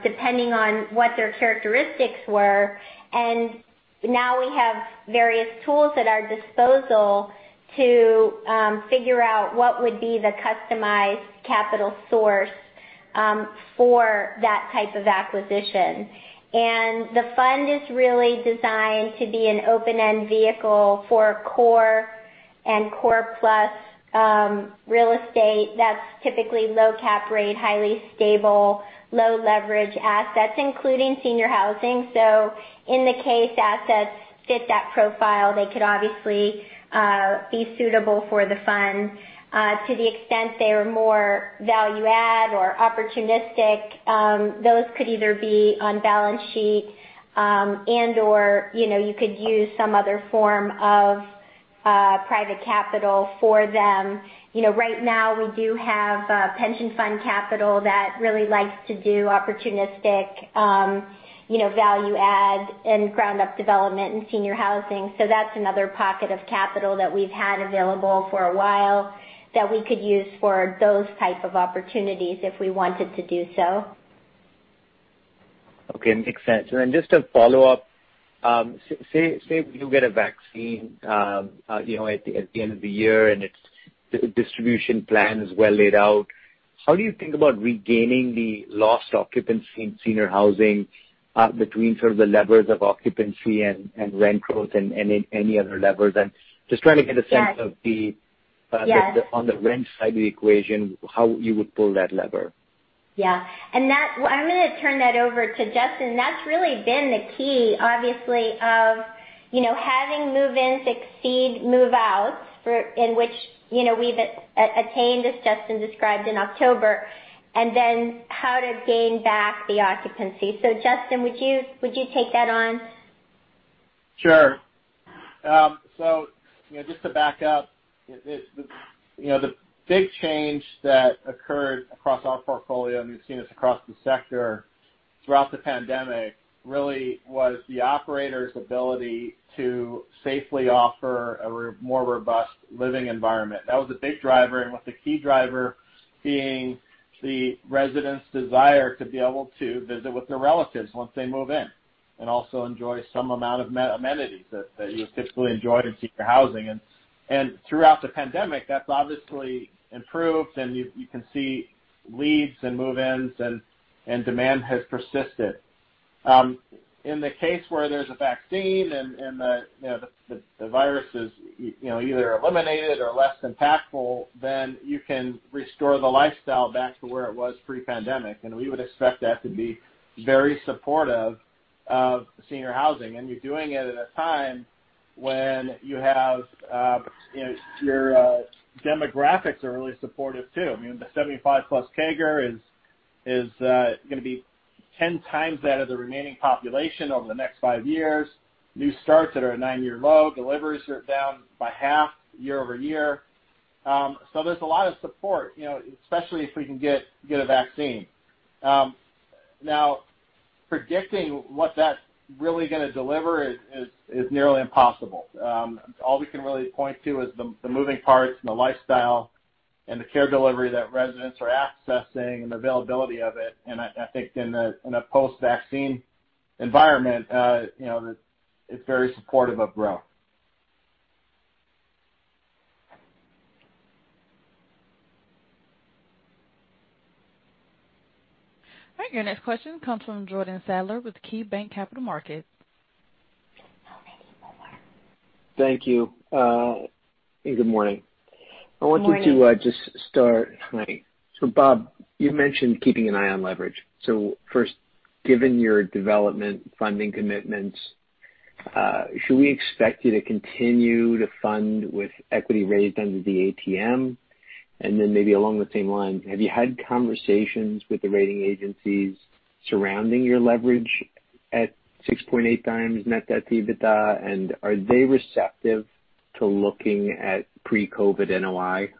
[SPEAKER 3] depending on what their characteristics were. Now we have various tools at our disposal to figure out what would be the customized capital source for that type of acquisition. The fund is really designed to be an open-end vehicle for core and core plus real estate that's typically low cap rate, highly stable, low leverage assets, including senior housing. In the case assets fit that profile, they could obviously be suitable for the fund. To the extent they are more value add or opportunistic, those could either be on balance sheet, and/or you could use some other form of private capital for them. Right now we do have pension fund capital that really likes to do opportunistic value add and ground-up development in senior housing. That's another pocket of capital that we've had available for a while that we could use for those type of opportunities if we wanted to do so.
[SPEAKER 14] Okay. Makes sense. Just a follow-up. Say if you get a vaccine at the end of the year and its distribution plan is well laid out, how do you think about regaining the lost occupancy in senior housing, between sort of the levers of occupancy and rent growth and any other levers? I'm just trying to get a sense.
[SPEAKER 3] Yes
[SPEAKER 14] Of the, on the rent side of the equation, how you would pull that lever.
[SPEAKER 3] I'm going to turn that over to Justin. That's really been the key, obviously, of having move-ins exceed move-outs, in which we've attained, as Justin described, in October, and then how to gain back the occupancy. Justin, would you take that on?
[SPEAKER 4] Sure. Just to back up, the big change that occurred across our portfolio, and we've seen this across the sector throughout the pandemic, really was the operator's ability to safely offer a more robust living environment. That was a big driver, and with the key driver being the residents' desire to be able to visit with their relatives once they move in, and also enjoy some amount of amenities that you would typically enjoy in senior housing. Throughout the pandemic, that's obviously improved, and you can see leads and move-ins and demand has persisted. In the case where there's a vaccine and the virus is either eliminated or less impactful, then you can restore the lifestyle back to where it was pre-pandemic, and we would expect that to be very supportive of senior housing. You're doing it at a time when your demographics are really supportive, too. I mean, the 75+ CAGR is going to be 10x that of the remaining population over the next five years. New starts that are a nine-year low. Deliveries are down by half year over year. There's a lot of support, especially if we can get a vaccine. Predicting what that's really going to deliver is nearly impossible. All we can really point to is the moving parts and the lifestyle and the care delivery that residents are accessing and the availability of it. I think in a post-vaccine environment, it's very supportive of growth.
[SPEAKER 1] All right. Your next question comes from Jordan Sadler with KeyBanc Capital Markets.
[SPEAKER 15] Thank you. Good morning.
[SPEAKER 3] Morning.
[SPEAKER 15] Hi. Bob, you mentioned keeping an eye on leverage. First, given your development funding commitments Should we expect you to continue to fund with equity raised under the ATM? Maybe along the same lines, have you had conversations with the rating agencies surrounding your leverage at 6.8x net debt to EBITDA? Are they receptive to looking at pre-COVID NOI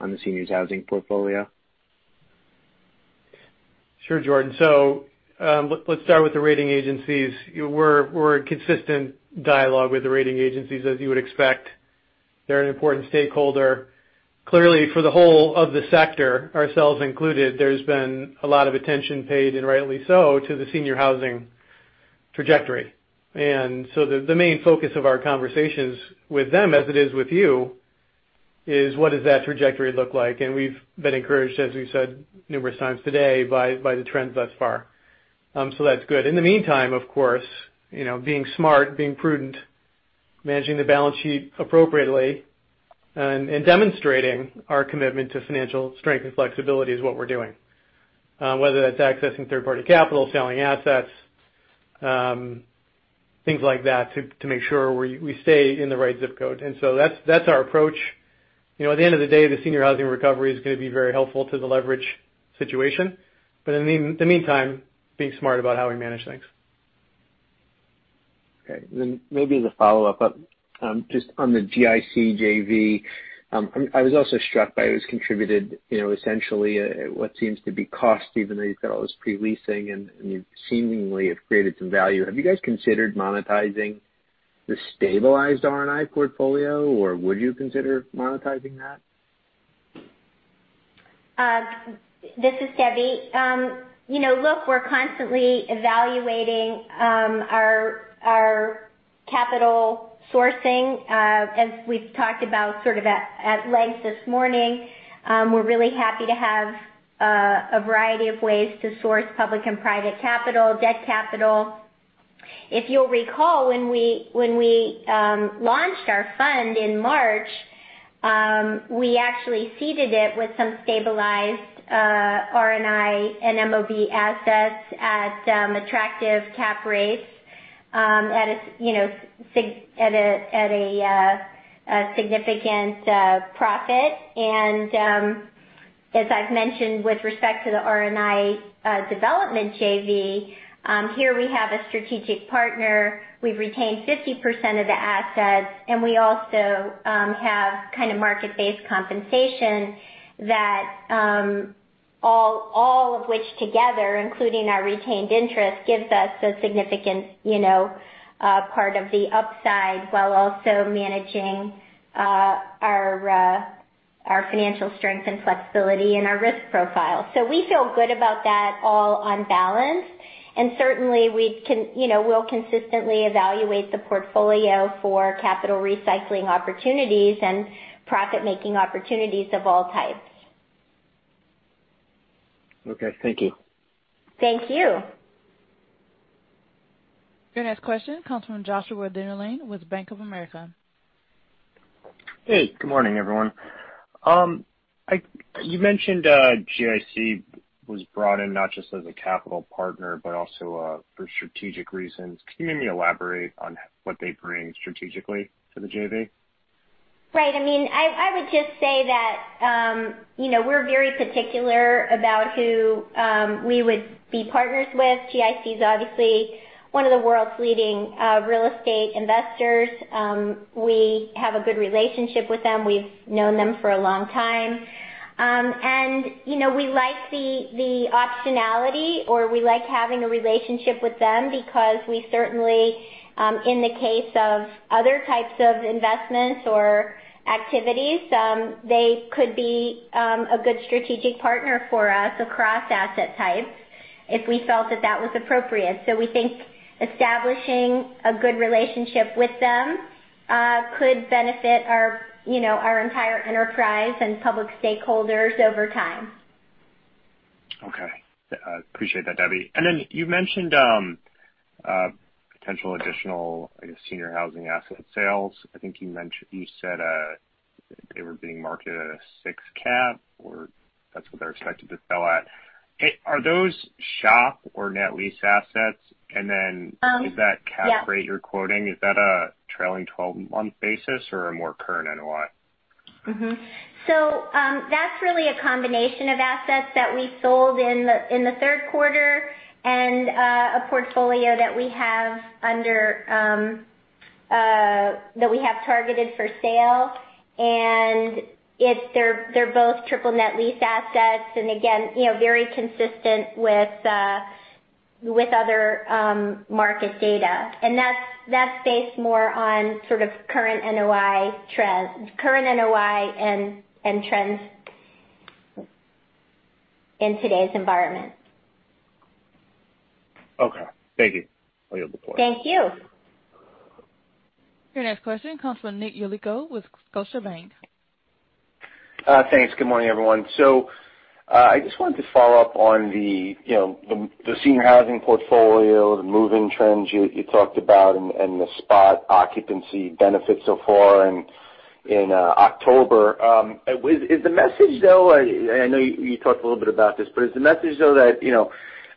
[SPEAKER 15] on the seniors housing portfolio?
[SPEAKER 6] Sure, Jordan. Let's start with the rating agencies. We're in consistent dialogue with the rating agencies, as you would expect. They're an important stakeholder. Clearly for the whole of the sector, ourselves included, there's been a lot of attention paid, and rightly so, to the senior housing trajectory. The main focus of our conversations with them, as it is with you, is what does that trajectory look like? We've been encouraged, as we've said numerous times today, by the trends thus far. That's good. In the meantime, of course, being smart, being prudent, managing the balance sheet appropriately, and demonstrating our commitment to financial strength and flexibility is what we're doing. Whether that's accessing third-party capital, selling assets, things like that, to make sure we stay in the right zip code. That's our approach. At the end of the day, the senior housing recovery is going to be very helpful to the leverage situation. In the meantime, being smart about how we manage things.
[SPEAKER 15] Okay, maybe as a follow-up, just on the GIC JV. I was also struck by how it's contributed, essentially what seems to be cost, even though you've got all this pre-leasing, and you seemingly have created some value. Have you guys considered monetizing the stabilized R&I portfolio, or would you consider monetizing that?
[SPEAKER 3] This is Debbie. Look, we're constantly evaluating our capital sourcing. As we've talked about sort of at length this morning, we're really happy to have a variety of ways to source public and private capital, debt capital. If you'll recall, when we launched our fund in March, we actually seeded it with some stabilized R&I and MOB assets at attractive cap rates at a significant profit. As I've mentioned, with respect to the R&I development JV, here we have a strategic partner. We've retained 50% of the assets, and we also have kind of market-based compensation that all of which together, including our retained interest, gives us a significant part of the upside, while also managing our financial strength and flexibility and our risk profile. We feel good about that all on balance, and certainly we'll consistently evaluate the portfolio for capital recycling opportunities and profit-making opportunities of all types.
[SPEAKER 15] Okay, thank you.
[SPEAKER 3] Thank you.
[SPEAKER 1] Your next question comes from Joshua Dennerlein with Bank of America.
[SPEAKER 16] Hey, good morning, everyone. You mentioned GIC was brought in not just as a capital partner, but also for strategic reasons. Can you maybe elaborate on what they bring strategically to the JV?
[SPEAKER 3] Right. I would just say that we're very particular about who we would be partners with. GIC is obviously one of the world's leading real estate investors. We have a good relationship with them. We've known them for a long time. We like the optionality, or we like having a relationship with them because we certainly, in the case of other types of investments or activities, they could be a good strategic partner for us across asset types if we felt that that was appropriate. We think establishing a good relationship with them could benefit our entire enterprise and public stakeholders over time.
[SPEAKER 16] Okay. Appreciate that, Debbie. You mentioned potential additional, I guess, senior housing asset sales. I think you said they were being marketed at a six cap, or that's what they're expected to sell at. Are those SHOP or net lease assets?
[SPEAKER 3] Yes
[SPEAKER 16] Is that cap rate you're quoting, is that a trailing 12-month basis or a more current NOI?
[SPEAKER 3] Mm-hmm. That's really a combination of assets that we sold in the third quarter and a portfolio that we have targeted for sale, and they're both triple net lease assets, and again, very consistent with other market data. That's based more on sort of current NOI and trends in today's environment.
[SPEAKER 16] Okay. Thank you. I hear the point.
[SPEAKER 3] Thank you.
[SPEAKER 1] Your next question comes from Nick Yulico with Scotiabank.
[SPEAKER 17] Thanks. Good morning, everyone. I just wanted to follow up on the senior housing portfolio, the moving trends you talked about and the spot occupancy benefits so far. In October. Is the message though, I know you talked a little bit about this, but is the message though that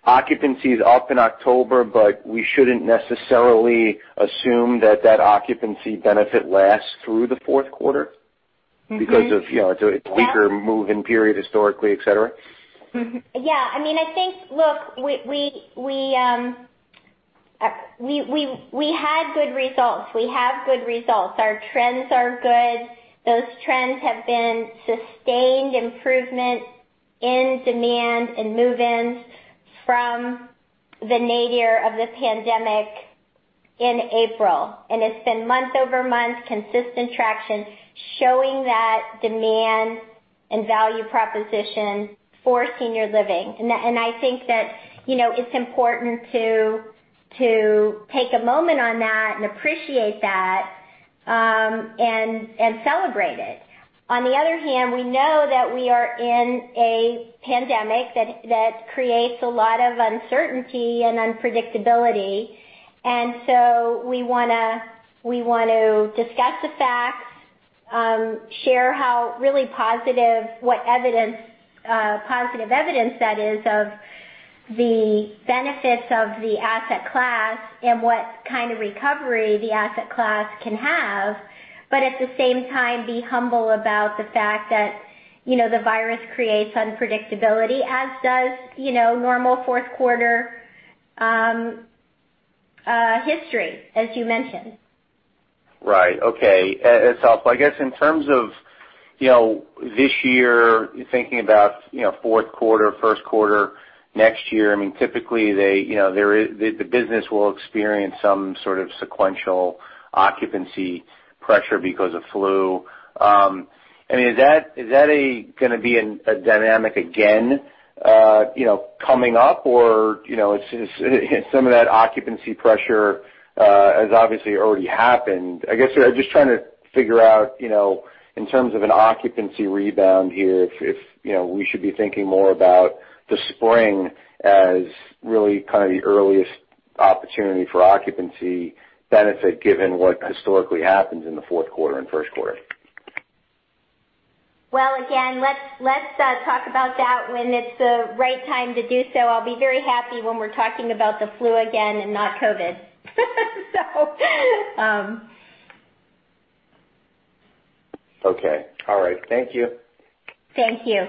[SPEAKER 17] occupancy is up in October, but we shouldn't necessarily assume that that occupancy benefit lasts through the fourth quarter? Because it's- Yeah A weaker move-in period historically, et cetera?
[SPEAKER 3] Mm-hmm. Yeah. Look, we had good results. We have good results. Our trends are good. Those trends have been sustained improvement in demand and move-ins from the nadir of the pandemic in April. It's been month-over-month consistent traction showing that demand and value proposition for senior living. I think that it's important to take a moment on that and appreciate that, and celebrate it. On the other hand, we know that we are in a pandemic that creates a lot of uncertainty and unpredictability. We want to discuss the facts, share what positive evidence that is of the benefits of the asset class and what kind of recovery the asset class can have, but at the same time, be humble about the fact that the virus creates unpredictability, as does normal fourth quarter history, as you mentioned.
[SPEAKER 17] Right. Okay. That's helpful. I guess in terms of this year, thinking about fourth quarter, first quarter next year, typically, the business will experience some sort of sequential occupancy pressure because of flu. Is that going to be a dynamic again coming up? Some of that occupancy pressure has obviously already happened. I guess, I'm just trying to figure out in terms of an occupancy rebound here, if we should be thinking more about the spring as really kind of the earliest opportunity for occupancy benefit given what historically happens in the fourth quarter and first quarter.
[SPEAKER 3] Well, again, let's talk about that when it's the right time to do so. I'll be very happy when we're talking about the flu again and not COVID.
[SPEAKER 17] Okay. All right. Thank you.
[SPEAKER 3] Thank you.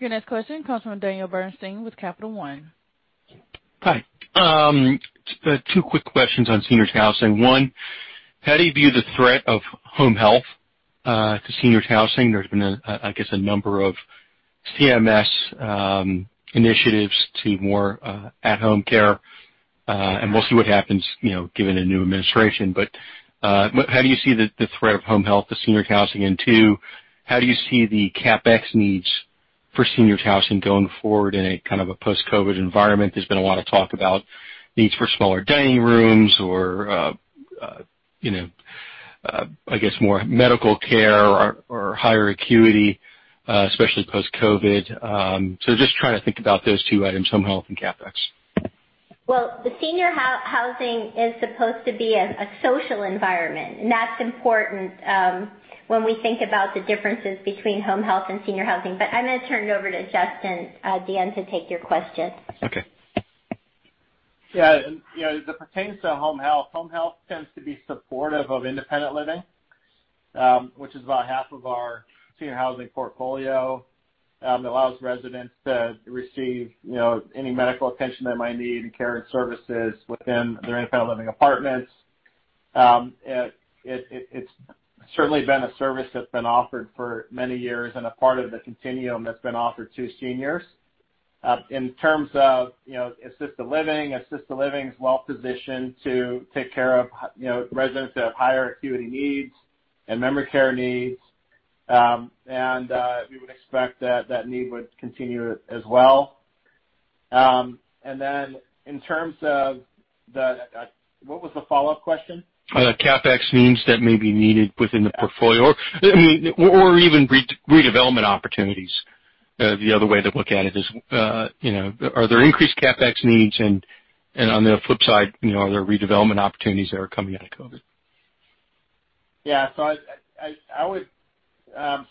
[SPEAKER 1] Your next question comes from Daniel Bernstein with Capital One.
[SPEAKER 18] Hi. Two quick questions on seniors housing. One, how do you view the threat of home health to seniors housing? There's been, I guess, a number of CMS initiatives to more at-home care. We'll see what happens given a new administration. How do you see the threat of home health to senior housing? Two, how do you see the CapEx needs for seniors housing going forward in a kind of a post-COVID environment? There's been a lot of talk about needs for smaller dining rooms or I guess more medical care or higher acuity, especially post-COVID. Just trying to think about those two items, home health and CapEx.
[SPEAKER 3] Well, the senior housing is supposed to be a social environment, and that's important when we think about the differences between home health and senior housing. I'm going to turn it over to Justin at the end to take your question.
[SPEAKER 18] Okay.
[SPEAKER 4] Yeah. As it pertains to home health, home health tends to be supportive of independent living, which is about half of our senior housing portfolio. It allows residents to receive any medical attention they might need and care and services within their independent living apartments. It's certainly been a service that's been offered for many years and a part of the continuum that's been offered to seniors. In terms of assisted living, assisted living is well-positioned to take care of residents that have higher acuity needs and memory care needs. We would expect that that need would continue as well. What was the follow-up question?
[SPEAKER 18] CapEx needs that may be needed within the portfolio, or even redevelopment opportunities. The other way to look at it is are there increased CapEx needs and, on the flip side, are there redevelopment opportunities that are coming out of COVID?
[SPEAKER 4] I would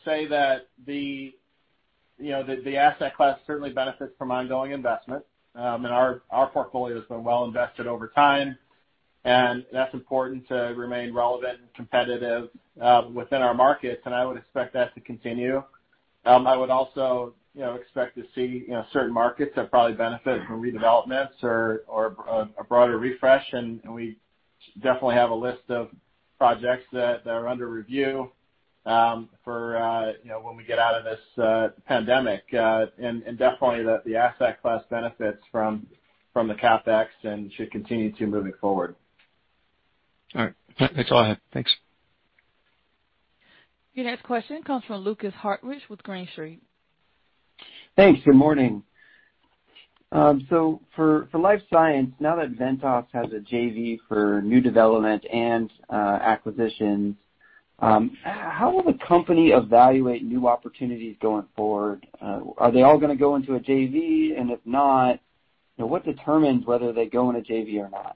[SPEAKER 4] say that the asset class certainly benefits from ongoing investment. Our portfolio has been well invested over time, and that's important to remain relevant and competitive within our markets, and I would expect that to continue. I would also expect to see certain markets that probably benefit from redevelopments or a broader refresh, and we definitely have a list of projects that are under review for when we get out of this pandemic. Definitely, the asset class benefits from the CapEx and should continue to moving forward.
[SPEAKER 18] All right. That's all I have. Thanks.
[SPEAKER 1] Your next question comes from Lukas Hartwich with Green Street.
[SPEAKER 19] Thanks. Good morning. For life science, now that Ventas has a JV for new development and acquisition. How will the company evaluate new opportunities going forward? Are they all going to go into a JV? If not, what determines whether they go in a JV or not?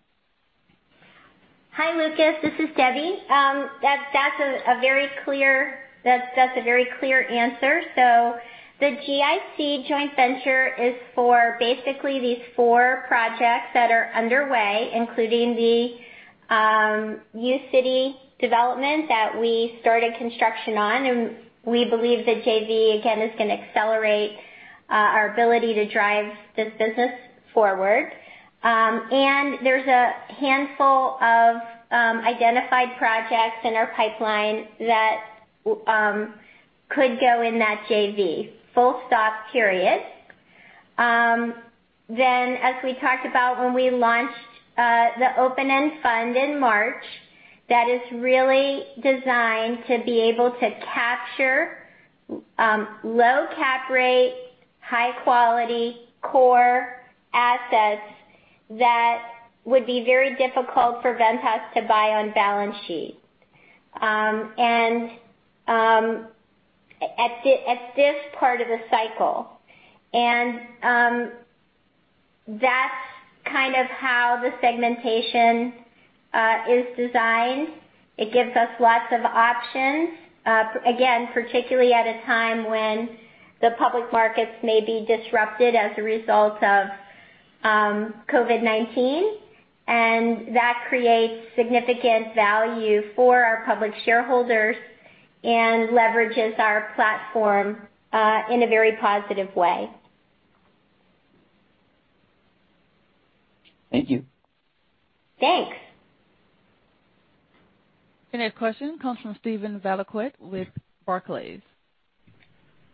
[SPEAKER 3] Hi, Lukas. This is Debbie. That's a very clear answer. The GIC joint venture is for basically these four projects that are underway, including the uCity development that we started construction on, and we believe the JV, again, is going to accelerate our ability to drive this business forward. There's a handful of identified projects in our pipeline that could go in that JV, full stop, period. As we talked about when we launched the open-end fund in March, that is really designed to be able to capture low cap rate, high quality core assets that would be very difficult for Ventas to buy on balance sheet at this part of the cycle. That's kind of how the segmentation is designed. It gives us lots of options, again, particularly at a time when the public markets may be disrupted as a result of COVID-19, and that creates significant value for our public shareholders and leverages our platform in a very positive way.
[SPEAKER 19] Thank you.
[SPEAKER 3] Thanks.
[SPEAKER 1] The next question comes from Steven Valiquette with Barclays.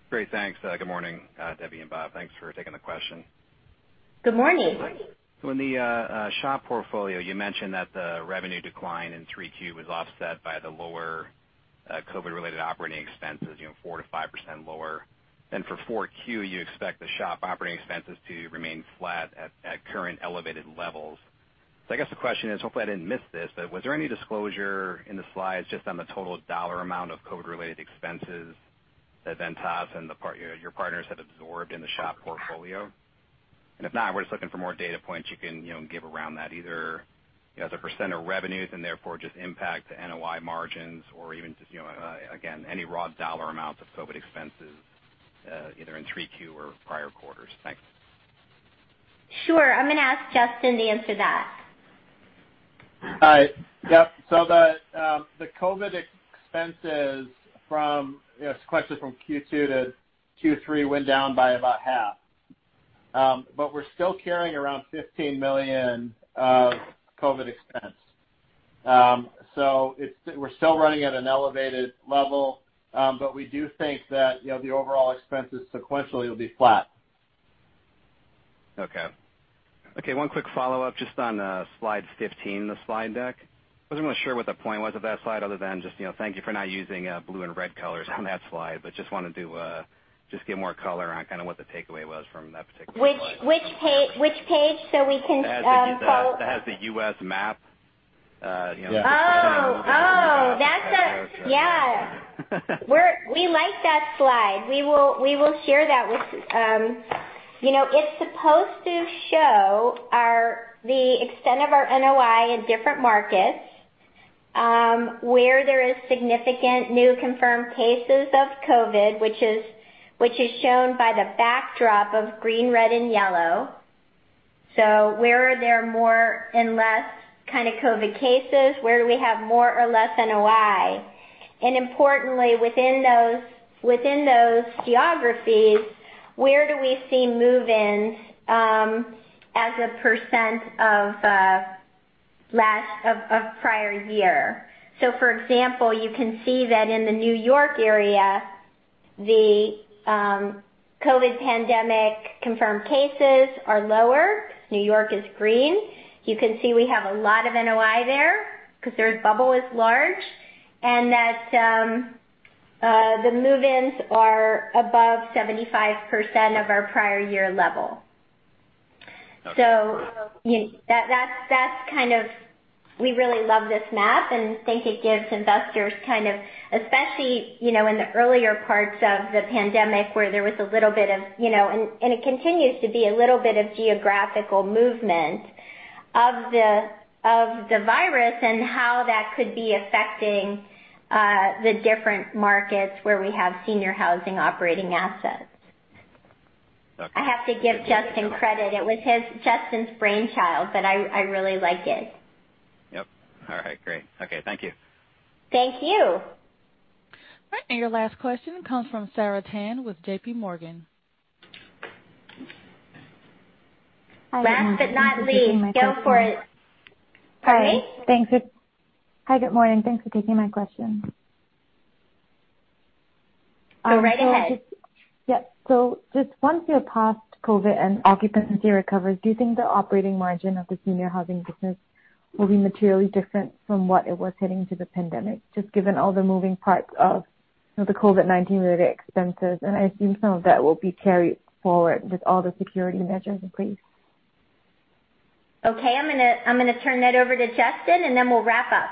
[SPEAKER 20] Great. Thanks. Good morning, Debbie and Bob. Thanks for taking the question.
[SPEAKER 3] Good morning.
[SPEAKER 20] In the SHOP portfolio, you mentioned that the revenue decline in Q3 was offset by the lower COVID-related operating expenses, 4%-5% lower. For Q4, you expect the SHOP operating expenses to remain flat at current elevated levels. I guess the question is, hopefully I didn't miss this, but was there any disclosure in the slides just on the total dollar amount of COVID-related expenses that Ventas and your partners have absorbed in the SHOP portfolio? If not, we're just looking for more data points you can give around that, either as a percent of revenues and therefore just impact to NOI margins or even just, again, any raw dollar amounts of COVID expenses either in Q3 or prior quarters. Thanks.
[SPEAKER 3] Sure. I'm going to ask Justin to answer that.
[SPEAKER 4] Hi. Yep. The COVID expenses from sequentially from Q2-Q3 went down by about half. We're still carrying around $15 million of COVID expense. We're still running at an elevated level, but we do think that the overall expenses sequentially will be flat.
[SPEAKER 20] Okay. One quick follow-up just on slides 15 in the slide deck. I wasn't really sure what the point was of that slide other than just thank you for not using blue and red colors on that slide, but just wanted to just get more color on kind of what the takeaway was from that particular slide.
[SPEAKER 3] Which page so we can?
[SPEAKER 20] It has the U.S. map.
[SPEAKER 3] Yeah. We like that slide. It's supposed to show the extent of our NOI in different markets, where there is significant new confirmed cases of COVID, which is shown by the backdrop of green, red, and yellow. Where are there more and less kind of COVID cases? Where do we have more or less NOI? Importantly, within those geographies, where do we see move-ins as a % of prior year? For example, you can see that in the New York area, the COVID pandemic confirmed cases are lower. New York is green. You can see we have a lot of NOI there because their bubble is large and that the move-ins are above 75% of our prior year level.
[SPEAKER 20] Okay.
[SPEAKER 3] We really love this map and think it gives investors kind of, especially in the earlier parts of the pandemic where there was a little bit of, and it continues to be a little bit of geographical movement of the virus and how that could be affecting the different markets where we have senior housing operating assets.
[SPEAKER 20] Okay.
[SPEAKER 3] I have to give Justin credit. It was Justin's brainchild, but I really like it.
[SPEAKER 20] Yep. All right. Great. Okay. Thank you.
[SPEAKER 3] Thank you.
[SPEAKER 1] All right. Your last question comes from Sarah Tan with JPMorgan.
[SPEAKER 3] Last but not least. Go for it. Pardon me?
[SPEAKER 21] Hi. Good morning. Thanks for taking my question.
[SPEAKER 3] Go right ahead.
[SPEAKER 21] Yep. Just once we are past COVID and occupancy recovers, do you think the operating margin of the senior housing business will be materially different from what it was heading to the pandemic, just given all the moving parts of the COVID-19 related expenses? I assume some of that will be carried forward with all the security measures in place.
[SPEAKER 3] Okay. I'm going to turn that over to Justin, and then we'll wrap up.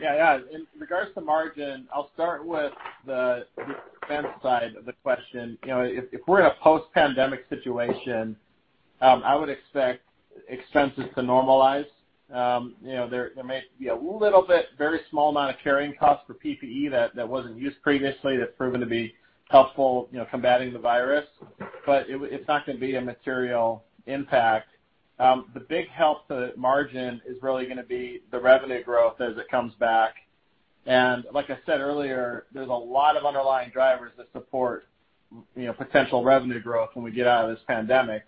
[SPEAKER 4] Yeah. In regards to margin, I'll start with the expense side of the question. If we're in a post-pandemic situation, I would expect expenses to normalize. There may be a little bit, very small amount of carrying costs for PPE that wasn't used previously that's proven to be helpful combating the virus. It's not going to be a material impact. The big help to margin is really going to be the revenue growth as it comes back. Like I said earlier, there's a lot of underlying drivers that support potential revenue growth when we get out of this pandemic.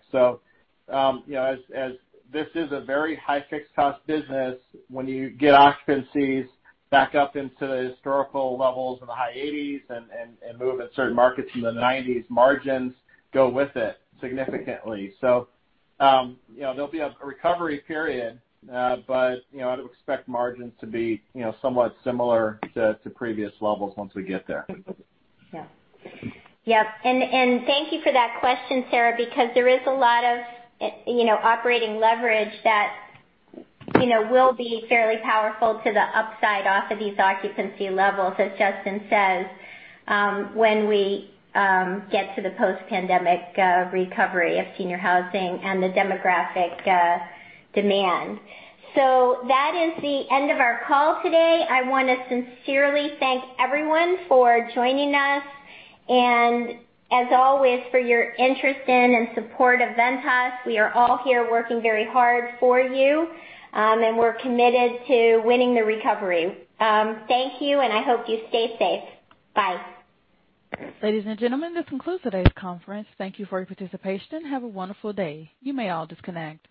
[SPEAKER 4] As this is a very high fixed cost business, when you get occupancies back up into the historical levels in the high eighties and move in certain markets in the nineties, margins go with it significantly. There'll be a recovery period, but I'd expect margins to be somewhat similar to previous levels once we get there.
[SPEAKER 3] Thank you for that question, Sarah, because there is a lot of operating leverage that will be fairly powerful to the upside off of these occupancy levels, as Justin says, when we get to the post-pandemic recovery of senior housing and the demographic demand. That is the end of our call today. I want to sincerely thank everyone for joining us. As always, for your interest in and support of Ventas. We are all here working very hard for you, and we're committed to winning the recovery. Thank you, and I hope you stay safe. Bye.
[SPEAKER 1] Ladies and gentlemen, this concludes today's conference. Thank you for your participation. Have a wonderful day. You may all disconnect.